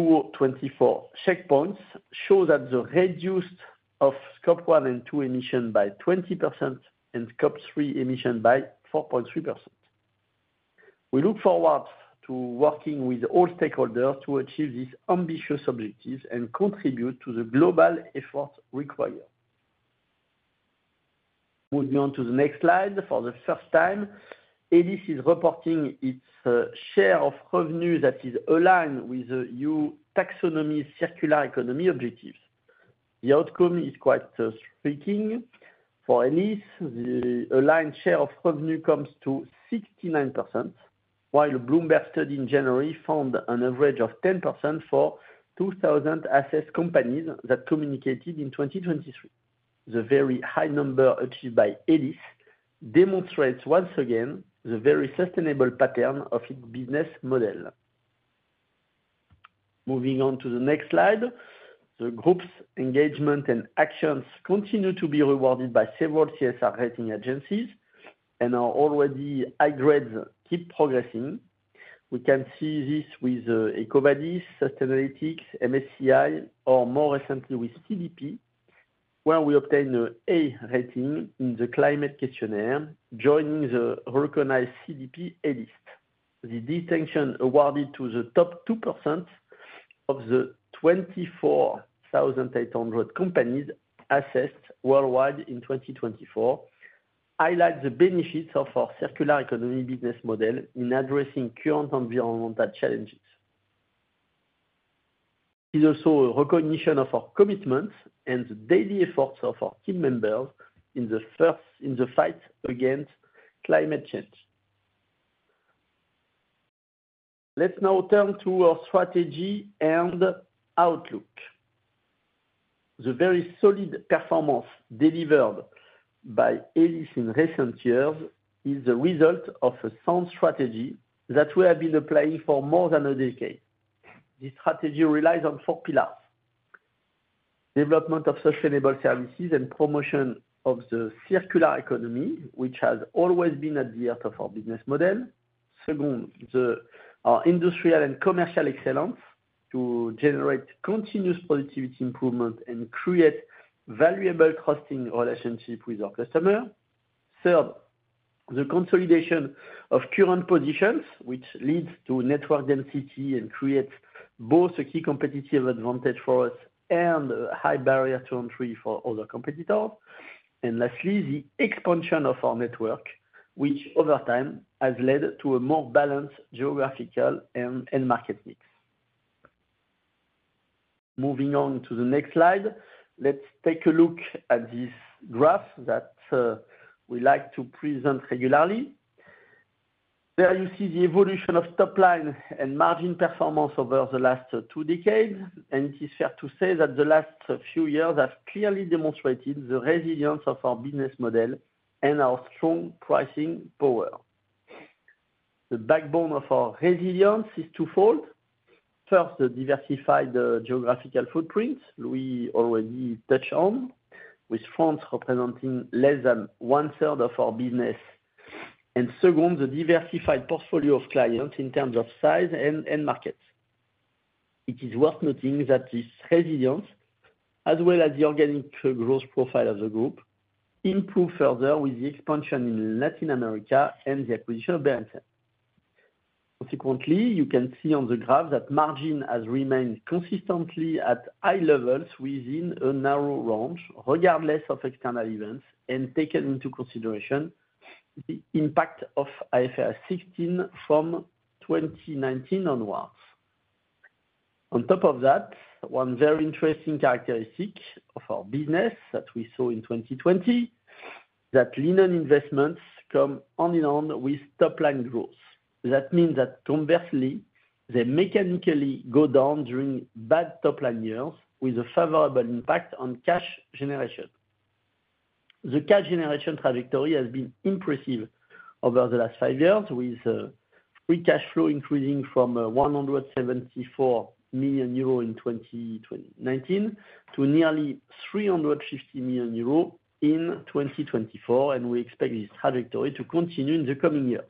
2019-2024 checkpoints show that the reduction of Scope 1 and 2 emissions by 20% and Scope 3 emissions by 4.3%. We look forward to working with all stakeholders to achieve these ambitious objectives and contribute to the global effort required. Moving on to the next slide, for the first time, Elis is reporting its share of revenue that is aligned with the EU Taxonomy circular economy objectives. The outcome is quite striking. For Elis, the aligned share of revenue comes to 69%, while Bloomberg study in January found an average of 10% for 2,000 asset companies that communicated in 2023. The very high number achieved by Elis demonstrates once again the very sustainable pattern of its business model. Moving on to the next slide, the group's engagement and actions continue to be rewarded by several CSR rating agencies, and our already high grades keep progressing. We can see this with EcoVadis, Sustainalytics, MSCI, or more recently with CDP, where we obtained an A rating in the climate questionnaire, joining the recognized CDP A List. The distinction awarded to the top 2% of the 24,800 companies assessed worldwide in 2024 highlights the benefits of our circular economy business model in addressing current environmental challenges. It is also a recognition of our commitments and the daily efforts of our team members in the fight against climate change. Let's now turn to our strategy and outlook. The very solid performance delivered by Elis in recent years is the result of a sound strategy that we have been applying for more than a decade. This strategy relies on four pillars: development of sustainable services and promotion of the circular economy, which has always been at the heart of our business model. Second, our industrial and commercial excellence to generate continuous productivity improvement and create valuable trusting relationships with our customers. Third, the consolidation of current positions, which leads to network density and creates both a key competitive advantage for us and a high barrier to entry for other competitors. And lastly, the expansion of our network, which over time has led to a more balanced geographical and market mix. Moving on to the next slide, let's take a look at this graph that we like to present regularly. There you see the evolution of top line and margin performance over the last two decades, and it is fair to say that the last few years have clearly demonstrated the resilience of our business model and our strong pricing power. The backbone of our resilience is twofold. First, the diversified geographical footprint we already touched on, with France representing less than one-third of our business, and second, the diversified portfolio of clients in terms of size and markets. It is worth noting that this resilience, as well as the organic growth profile of the group, improved further with the expansion in Latin America and the acquisition of Berendsen. Consequently, you can see on the graph that margin has remained consistently at high levels within a narrow range, regardless of external events, and taken into consideration the impact of IFRS 16 from 2019 onwards. On top of that, one very interesting characteristic of our business that we saw in 2020 is that linen investments come only on with top line growth. That means that conversely, they mechanically go down during bad top line years, with a favorable impact on cash generation. The cash generation trajectory has been impressive over the last five years, with free cash flow increasing from 174 million euro in 2019 to nearly 350 million euro in 2024, and we expect this trajectory to continue in the coming years.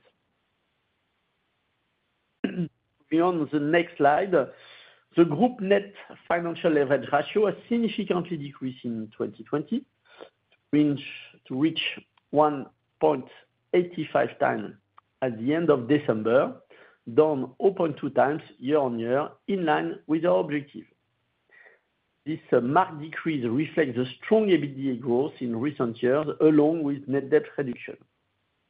Moving on to the next slide, the group net financial leverage ratio has significantly decreased in 2020, to reach 1.85 times at the end of December, down 0.2 times year-on-year, in line with our objective. This marked decrease reflects the strong EBITDA growth in recent years, along with net debt reduction.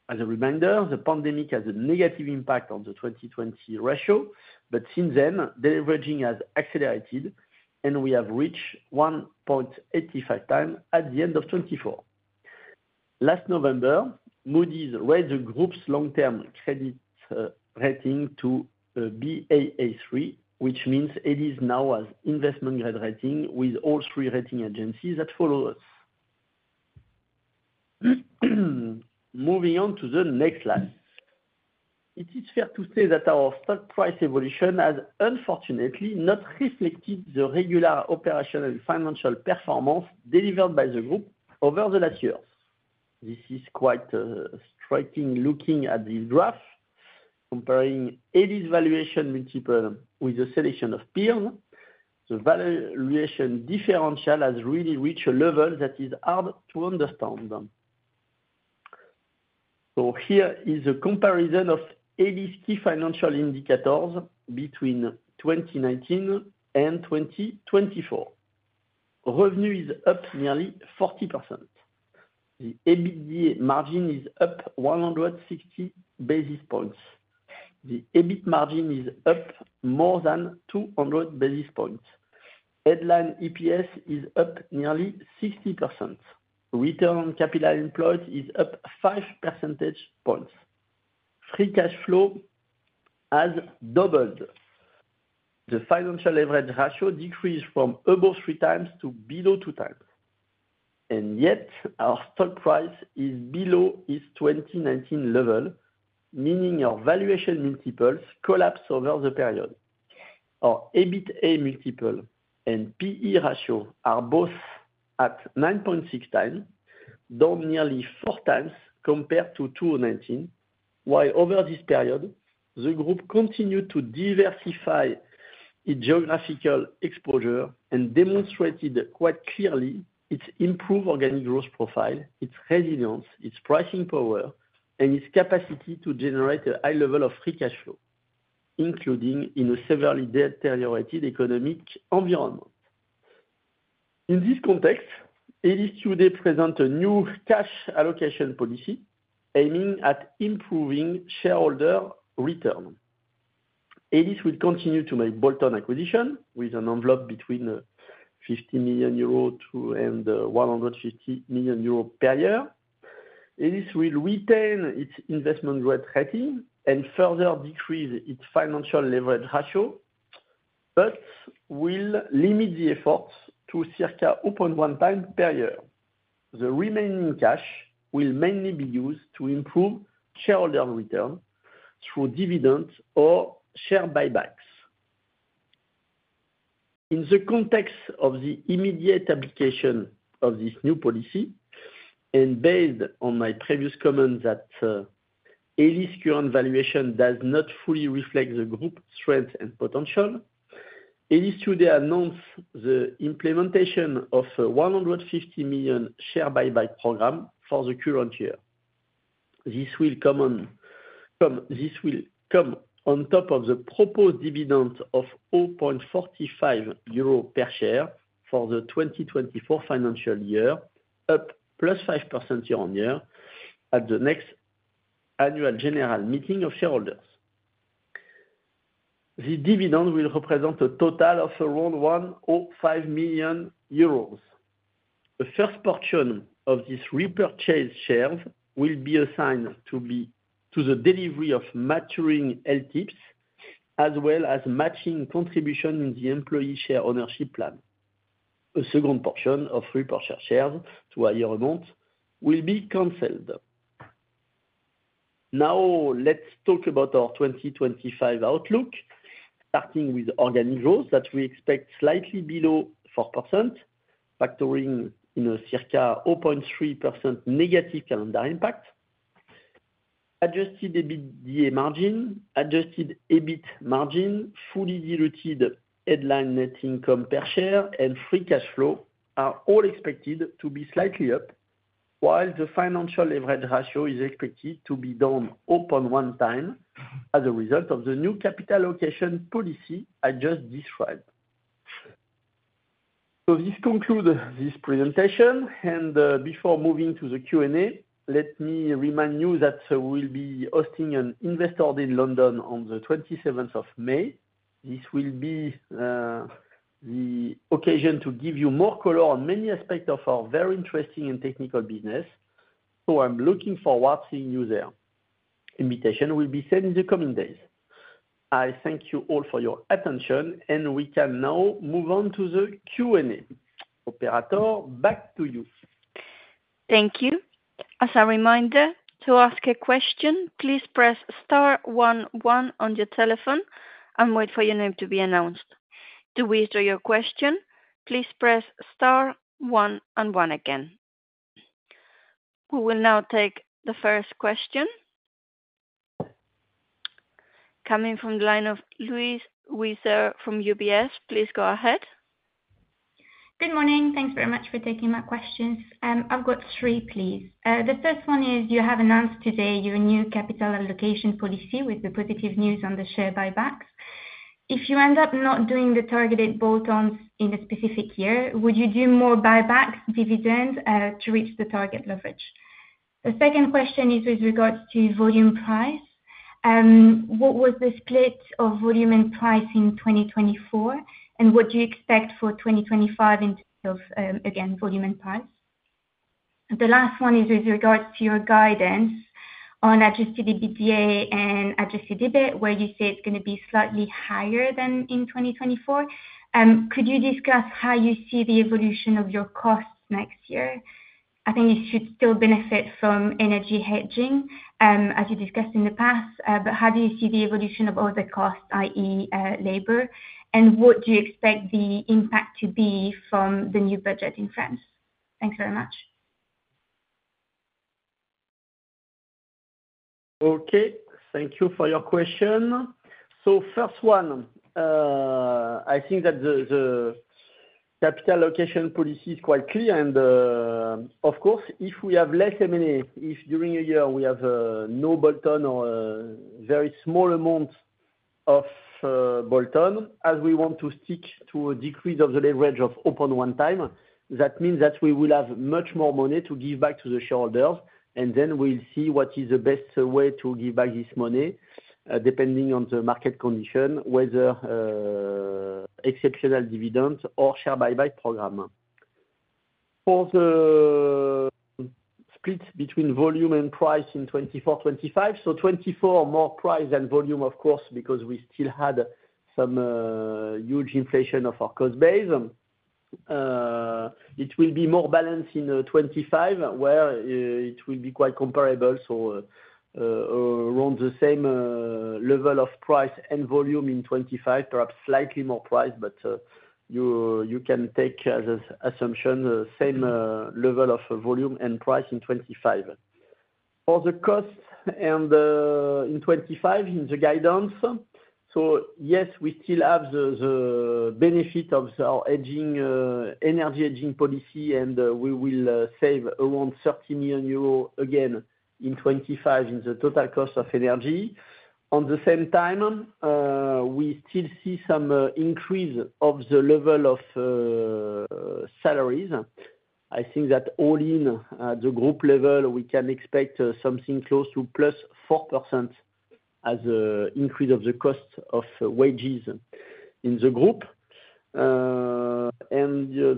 As a reminder, the pandemic had a negative impact on the 2020 ratio, but since then, the leveraging has accelerated, and we have reached 1.85 times at the end of 2024. Last November, Moody's raised the group's long-term credit rating to Baa3, which means Elis now has investment-grade rating with all three rating agencies that follow us. Moving on to the next slide, it is fair to say that our stock price evolution has unfortunately not reflected the regular operational and financial performance delivered by the group over the last years. This is quite striking looking at this graph. Comparing Elis valuation multiple with a selection of peers, the valuation differential has really reached a level that is hard to understand. So here is a comparison of Elis key financial indicators between 2019 and 2024. Revenue is up nearly 40%. The EBITDA margin is up 160 basis points. The EBIT margin is up more than 200 basis points. Headline EPS is up nearly 60%. Return on capital employed is up 5 percentage points. Free cash flow has doubled. The financial leverage ratio decreased from above three times to below two times. And yet, our stock price is below its 2019 level, meaning our valuation multiples collapse over the period. Our EBITDA multiple and PE ratio are both at 9.6 times, down nearly four times compared to 2019, while over this period, the group continued to diversify its geographical exposure and demonstrated quite clearly its improved organic growth profile, its resilience, its pricing power, and its capacity to generate a high level of free cash flow, including in a severely deteriorated economic environment. In this context, Elis presents a new cash allocation policy aiming at improving shareholder return. Elis will continue to make bolt-on acquisitions with an envelope between 50 million-150 million euro per year. Elis will retain its investment-grade rating and further decrease its financial leverage ratio, but will limit the efforts to circa 0.1 times per year. The remaining cash will mainly be used to improve shareholder returns through dividends or share buybacks. In the context of the immediate application of this new policy, and based on my previous comments that Elis' current valuation does not fully reflect the group's strength and potential, Elis today announced the implementation of a 150 million share buyback program for the current year. This will come on top of the proposed dividend of 0.45 euro per share for the 2024 financial year, up plus 5% year-on-year at the next annual general meeting of shareholders. The dividend will represent a total of around 105 million euros. The first portion of these repurchased shares will be assigned to the delivery of maturing LTIPs, as well as matching contributions in the employee share ownership plan. A second portion of repurchased shares to higher amounts will be canceled. Now, let's talk about our 2025 outlook, starting with organic growth that we expect slightly below 4%, factoring in a circa 0.3% negative calendar impact. Adjusted EBITDA margin, adjusted EBIT margin, fully diluted headline net income per share, and free cash flow are all expected to be slightly up, while the financial leverage ratio is expected to be down 0.1 times as a result of the new capital allocation policy I just described. So this concludes this presentation, and before moving to the Q&A, let me remind you that we will be hosting an Investor Day in London on the 27th of May. This will be the occasion to give you more color on many aspects of our very interesting and technical business, so I'm looking forward to seeing you there. Invitations will be sent in the coming days. I thank you all for your attention, and we can now move on to the Q&A. Operator, back to you. Thank you. As a reminder, to ask a question, please press Star one one, on your telephone and wait for your name to be announced. To withdraw your question, please press Star one one again. We will now take the first question. Coming from the line of Louise Wiseur from UBS, please go ahead. Good morning. Thanks very much for taking my questions. I've got three, please. The first one is you have announced today your new capital allocation policy with the positive news on the share buybacks. If you end up not doing the targeted bolt-ons in a specific year, would you do more buybacks, dividends to reach the target leverage? The second question is with regards to volume price. What was the split of volume and price in 2024, and what do you expect for 2025 in terms of, again, volume and price? The last one is with regards to your guidance on adjusted EBITDA and adjusted EBIT, where you say it's going to be slightly higher than in 2024. Could you discuss how you see the evolution of your costs next year? I think you should still benefit from energy hedging, as you discussed in the past, but how do you see the evolution of all the costs, i.e., labor? And what do you expect the impact to be from the new budget in France? Thanks very much. Okay. Thank you for your question. So first one, I think that the capital allocation policy is quite clear, and of course, if we have less M&A, if during a year we have no bolt-on or a very small amount of bolt-on, as we want to stick to a decrease of the leverage of 0.1 time, that means that we will have much more money to give back to the shareholders, and then we'll see what is the best way to give back this money, depending on the market condition, whether exceptional dividends or share buyback program. For the split between volume and price in 2024-2025, so 2024 more price than volume, of course, because we still had some huge inflation of our cost base. It will be more balanced in 2025, where it will be quite comparable, so around the same level of price and volume in 2025, perhaps slightly more price, but you can take as an assumption the same level of volume and price in 2025. For the cost in 2025, in the guidance, so yes, we still have the benefit of our energy hedging policy, and we will save around 30 million euros again in 2025 in the total cost of energy. At the same time, we still see some increase of the level of salaries. I think that all in at the group level, we can expect something close to plus 4% as an increase of the cost of wages in the group.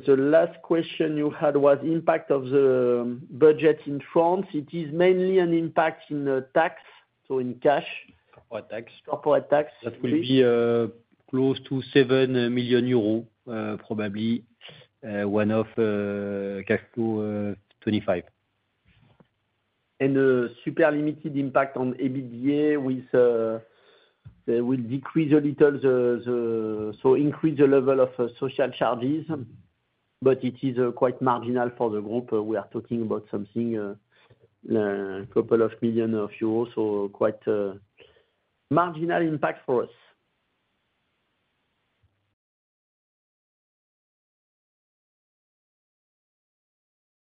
The last question you had was the impact of the budget in France. It is mainly an impact in tax, so in cash. Corporate tax. Corporate tax. That will be close to 7 million euros, probably one-off cash flow 25. And a super limited impact on EBITDA will decrease a little, so increase the level of social charges, but it is quite marginal for the group. We are talking about something a couple of million euros, so quite marginal impact for us.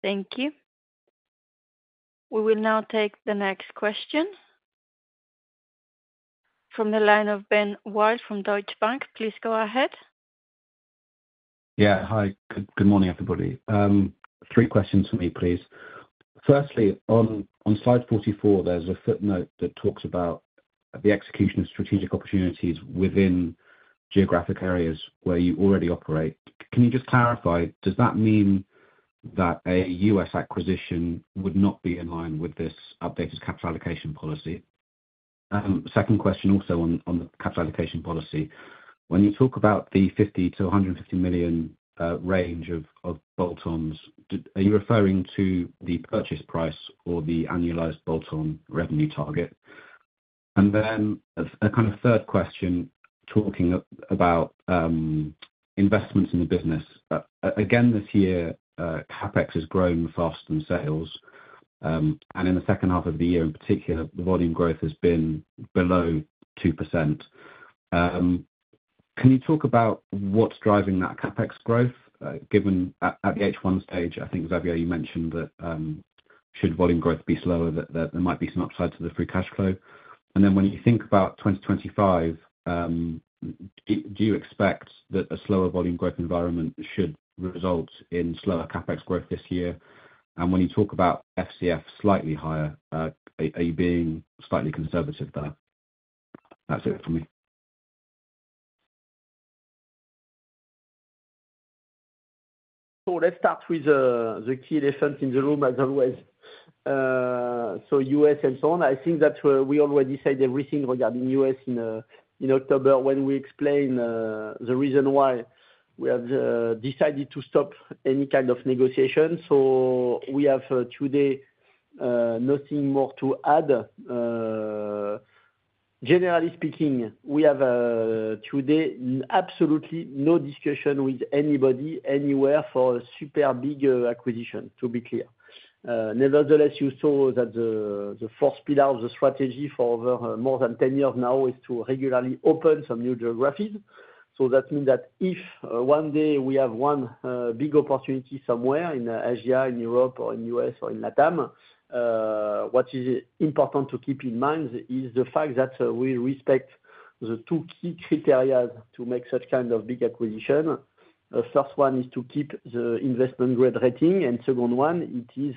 Thank you. We will now take the next question. From the line of Ben Wild from Deutsche Bank, please go ahead. Yeah. Hi. Good morning, everybody. Three questions for me, please. Firstly, on slide 44, there's a footnote that talks about the execution of strategic opportunities within geographic areas where you already operate. Can you just clarify, does that mean that a U.S. acquisition would not be in line with this updated capital allocation policy? Second question also on the capital allocation policy. When you talk about the 50-150 million range of bolt-ons, are you referring to the purchase price or the annualized bolt-on revenue target? And then a kind of third question talking about investments in the business. Again, this year, CapEx has grown faster than sales, and in the second half of the year in particular, the volume growth has been below 2%. Can you talk about what's driving that CapEx growth? Given at the H1 stage, I think, Xavier, you mentioned that should volume growth be slower, there might be some upside to the free cash flow. And then when you think about 2025, do you expect that a slower volume growth environment should result in slower CapEx growth this year? And when you talk about FCF slightly higher, are you being slightly conservative there? That's it for me. Let's start with the key elephant in the room, as always. U.S. and so on. I think that we already said everything regarding U.S. in October when we explained the reason why we have decided to stop any kind of negotiation. So we have today nothing more to add. Generally speaking, we have today absolutely no discussion with anybody anywhere for a super big acquisition, to be clear. Nevertheless, you saw that the fourth pillar of the strategy for over more than 10 years now is to regularly open some new geographies. So that means that if one day we have one big opportunity somewhere in Asia, in Europe, or in the U.S., or in LatAm, what is important to keep in mind is the fact that we respect the two key criteria to make such kind of big acquisition. The first one is to keep the investment-grade rating, and the second one, it is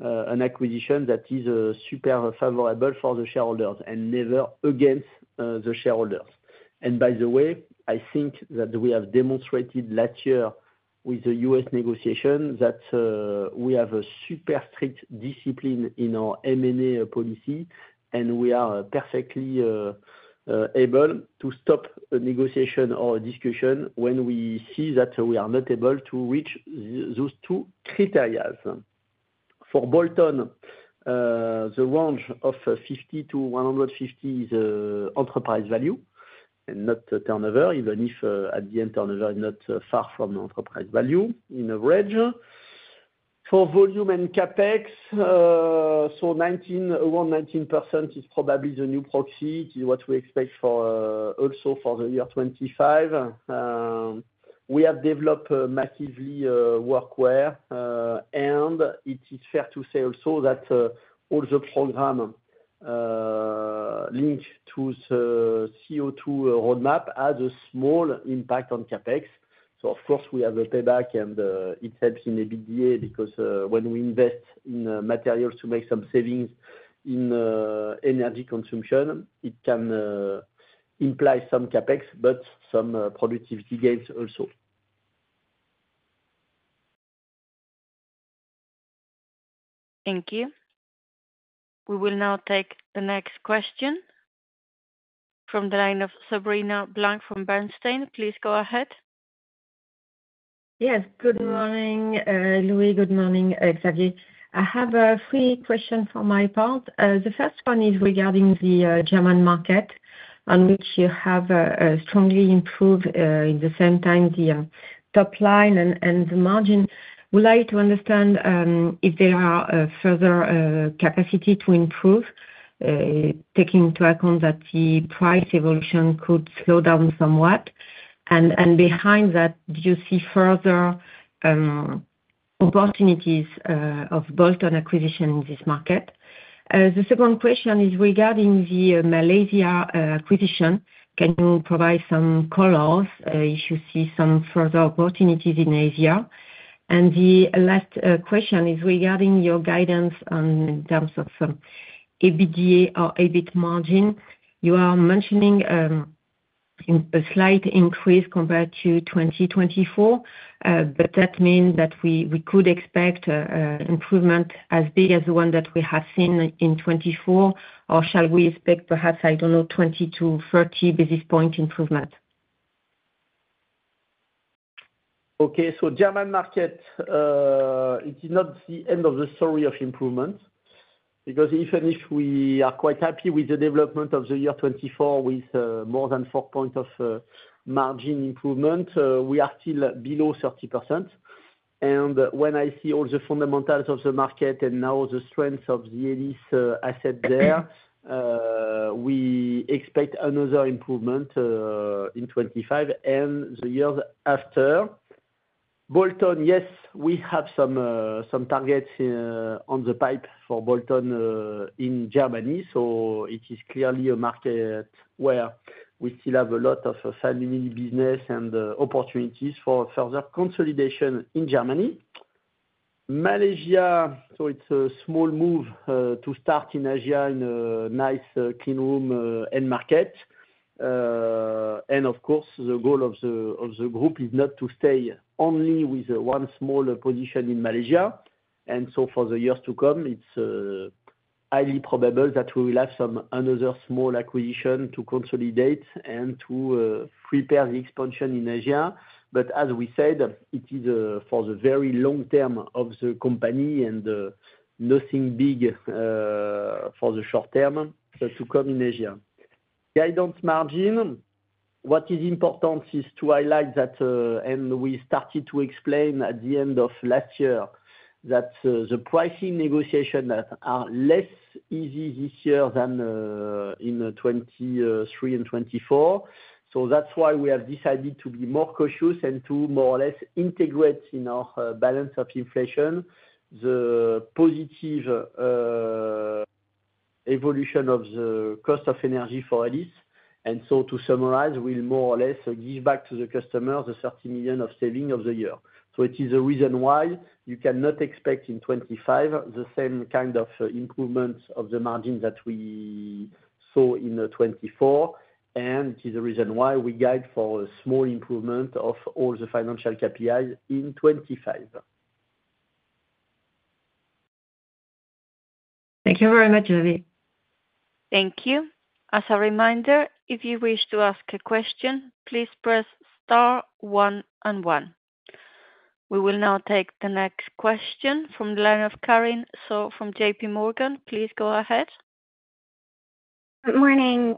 an acquisition that is super favorable for the shareholders and never against the shareholders, and by the way, I think that we have demonstrated last year with the U.S. negotiation that we have a super strict discipline in our M&A policy, and we are perfectly able to stop a negotiation or a discussion when we see that we are not able to reach those two criteria. For bolt-on, the range of 50-150 is enterprise value and not turnover, even if at the end, turnover is not far from enterprise value in average. For volume and CapEx, so around 19% is probably the new proxy. It is what we expect also for the year 2025. We have developed massively workwear, and it is fair to say also that all the programs linked to the CO2 roadmap have a small impact on CapEx. So, of course, we have a payback, and it helps in EBITDA because when we invest in materials to make some savings in energy consumption, it can imply some CapEx, but some productivity gains also. Thank you. We will now take the next question from the line of Sabrina Blanc from Bernstein. Please go ahead. Yes. Good morning, Louis. Good morning, Xavier. I have three questions for my part. The first one is regarding the German market, on which you have strongly improved at the same time the top line and the margin. Would I like to understand if there are further capacities to improve, taking into account that the price evolution could slow down somewhat? And behind that, do you see further opportunities of bolt-on acquisition in this market? The second question is regarding the Malaysia acquisition. Can you provide some colors if you see some further opportunities in Asia? The last question is regarding your guidance on in terms of EBITDA or EBIT margin. You are mentioning a slight increase compared to 2024, but that means that we could expect an improvement as big as the one that we have seen in 2024, or shall we expect perhaps, I don't know, 20-30 basis points improvement? Okay. The German market, it is not the end of the story of improvement because even if we are quite happy with the development of the year 2024 with more than 4 points of margin improvement, we are still below 30%. And when I see all the fundamentals of the market and now the strength of the Elis asset there, we expect another improvement in 2025 and the years after. Bolt-on, yes, we have some some targets in the pipeline for bolt-on in Germany, so it is clearly a market where we still have a lot of family business and opportunities for further consolidation in Germany. Malaysia, so it's a small move to start in Asia in a nice cleanroom end market. And of course, the goal of the group is not to stay only with one small position in Malaysia. And so for the years to come, it's highly probable that we will have some other small acquisition to consolidate and to prepare the expansion in Asia. But as we said, it is for the very long term of the company and nothing big for the short term to come in Asia. For guidance on margin, what is important is to highlight that, and we started to explain at the end of last year that the pricing negotiations are less easy this year than in 2023 and 2024. So that's why we have decided to be more cautious and to more or less integrate in our basket of inflation the positive evolution of the cost of energy for Elis. And so to summarize, we'll more or less give back to the customers the 30 million of savings of the year. Which is the reason why you cannot expect in 2025 the same kind of improvement of the margin that we saw in 2024, and it is the reason why we guide for a small improvement of all the financial KPIs in 2025. Thank you very much, Xavier. Thank you. As a reminder, if you wish to ask a question, please press star one and one. We will now take the next question from the line of Karin So from JP Morgan, please go ahead. Good morning.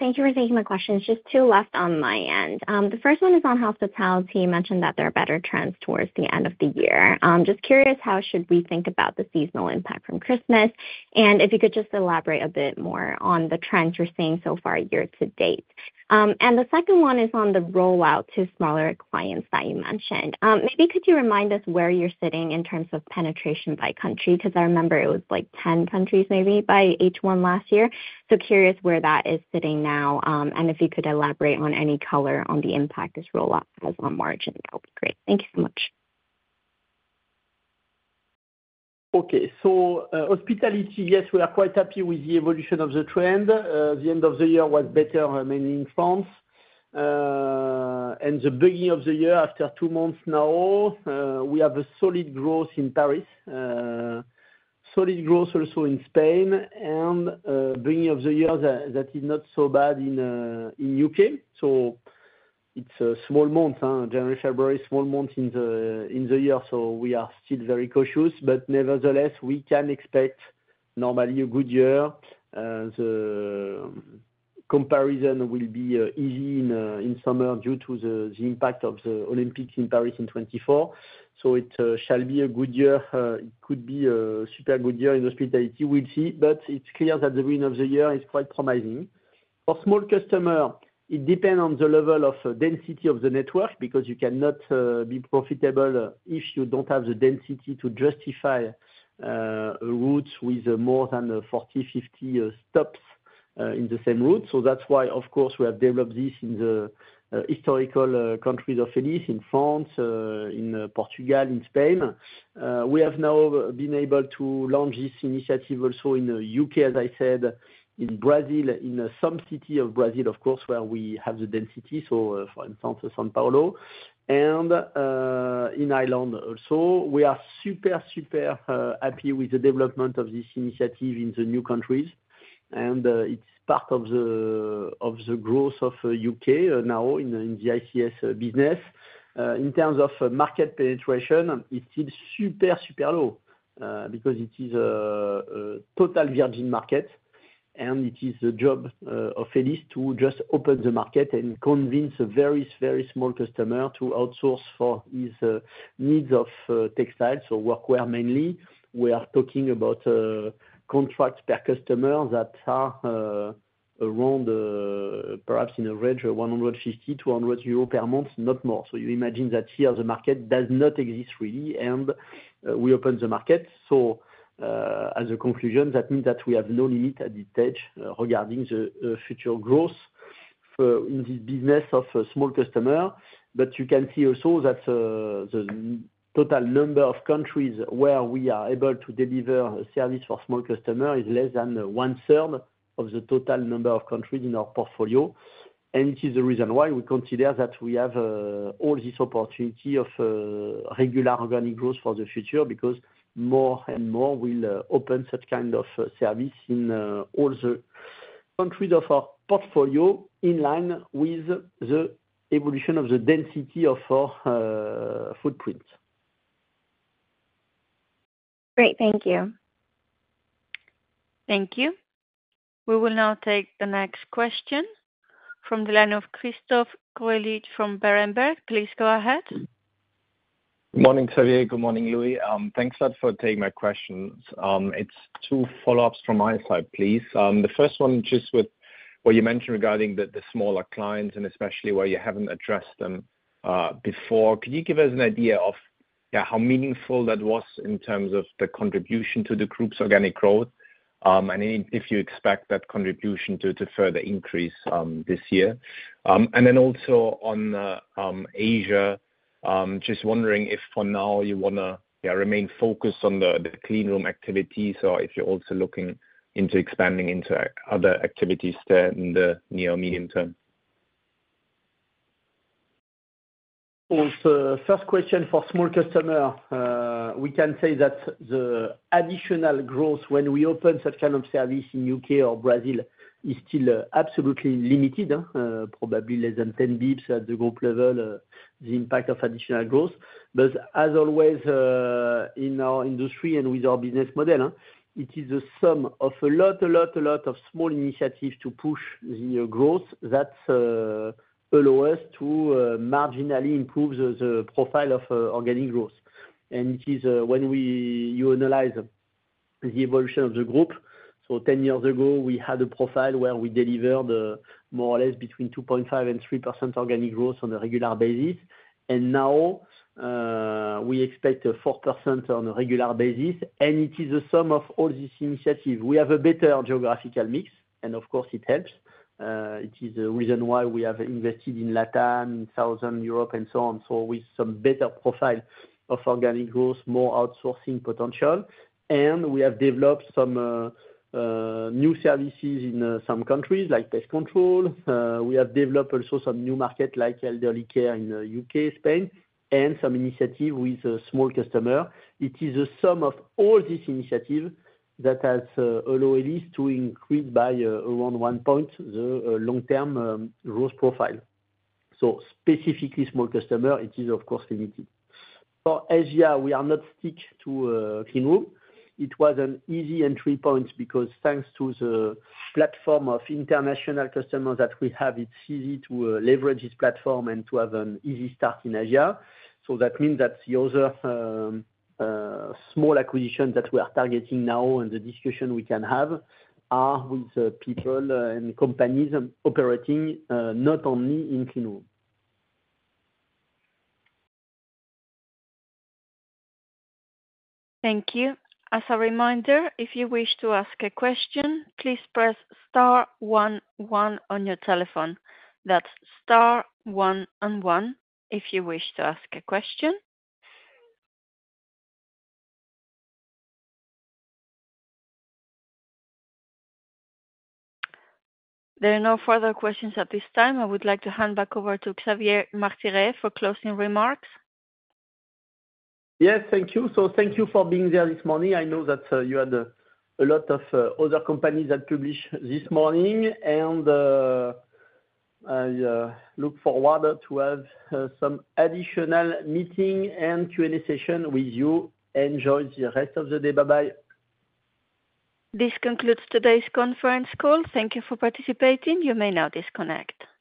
Thank you for taking my questions. Just two left on my end. The first one is on hospitality. You mentioned that there are better trends towards the end of the year. I'm just curious, how should we think about the seasonal impact from Christmas? And if you could just elaborate a bit more on the trends you're seeing so far year to date? And the second one is on the rollout to smaller clients that you mentioned. Maybe could you remind us where you're sitting in terms of penetration by country? Because I remember it was like 10 countries maybe by H1 last year. So curious where that is sitting now. And if you could elaborate on any color on the impact this rollout has on margin, that would be great. Thank you so much. Okay. So hospitality, yes, we are quite happy with the evolution of the trend. The end of the year was better mainly in France. And the beginning of the year, after two months now, we have a solid growth in Paris, solid growth also in Spain, and beginning of the year that is not so bad in the U.K. So it's a small month, January-February, small month in the year. So we are still very cautious, but nevertheless, we can expect normally a good year. The comparison will be easy in summer due to the impact of the Olympics in Paris in 2024. So it shall be a good year. It could be a super good year in hospitality. We'll see. But it's clear that the beginning of the year is quite promising. For small customers, it depends on the level of density of the network because you cannot be profitable if you don't have the density to justify routes with more than 40-50 stops in the same route. So that's why, of course, we have developed this in the historical countries of Elis in France, in Portugal, in Spain. We have now been able to launch this initiative also in the U.K., as I said, in Brazil, in some cities of Brazil, of course, where we have the density, so for instance, São Paulo, and in Ireland also. We are super, super happy with the development of this initiative in the new countries. And it's part of the of the growth of the U.K. now in the I&C business. In terms of market penetration, it's still super, super low because it is a total virgin market, and it is the job of Elis to just open the market and convince a very, very small customer to outsource for his needs of textiles, so workwear mainly. We are talking about contracts per customer that are around perhaps in average 150-200 euros per month, not more. So you imagine that here, the market does not exist really, and we open the market. So as a conclusion, that means that we have no limit at this stage regarding the future growth in this business of small customers. But you can see also that the the total number of countries where we are able to deliver a service for small customers is less than one-third of the total number of countries in our portfolio. And it is the reason why we consider that we have all this opportunity of regular organic growth for the future because more and more will open such kind of service in all the countries of our portfolio in line with the evolution of the density of our footprint. Great. Thank you. Thank you. We will now take the next question from the line of Christoph Greulich from Berenberg. Please go ahead. Good morning, Xavier. Good morning, Louis. Thanks a lot for taking my questions. It's two follow-ups from my side, please. The first one just with what you mentioned regarding the smaller clients and especially where you haven't addressed them before. Could you give us an idea of how meaningful that was in terms of the contribution to the group's organic growth and if you expect that contribution to further increase this year? And then also on Asia, just wondering if for now you want to remain focused on the clean room activities or if you're also looking into expanding into other activities there in the near or medium term. First question for small customers. We can say that the additional growth when we open such kind of service in the U.K. or Brazil is still absolutely limited, probably less than 10 basis points at the group level, the impact of additional growth. But as always in our industry and with our business model, it is the sum of a lot, a lot, a lot of small initiatives to push the growth that allow us to marginally improve the profile of organic growth. And it is when you analyze the evolution of the group. So 10 years ago, we had a profile where we delivered more or less between 2.5%-3% organic growth on a regular basis. And now we expect 4% on a regular basis. And it is the sum of all these initiatives. We have a better geographical mix, and of course, it helps. It is the reason why we have invested in LatAm, in Southern Europe, and so on. So with some better profile of organic growth, more outsourcing potential. And we have developed some new services in some countries like pest control. We have developed also some new markets like elderly care in the U.K., Spain, and some initiatives with small customers. It is the sum of all these initiatives that has allowed Elis to increase by around one point the long-term growth profile. So specifically small customers, it is, of course, limited. For Asia, we are not stick to clean room. It was an easy entry point because thanks to the platform of international customers that we have, it's easy to leverage this platform and to have an easy start in Asia. So that means that the other small acquisitions that we are targeting now and the discussion we can have are with people and companies operating not only in clean room. Thank you. As a reminder, if you wish to ask a question, please press Star one one on your telephone. That's Star one and one if you wish to ask a question. There are no further questions at this time. I would like to hand back over to Xavier Martiré for closing remarks. Yes, thank you. So thank you for being there this morning. I know that you had a lot of other companies that published this morning, and I look forward to have some additional meeting and Q&A session with you. Enjoy the rest of the day. Bye-bye. This concludes today's conference call. Thank you for participating. You may now disconnect.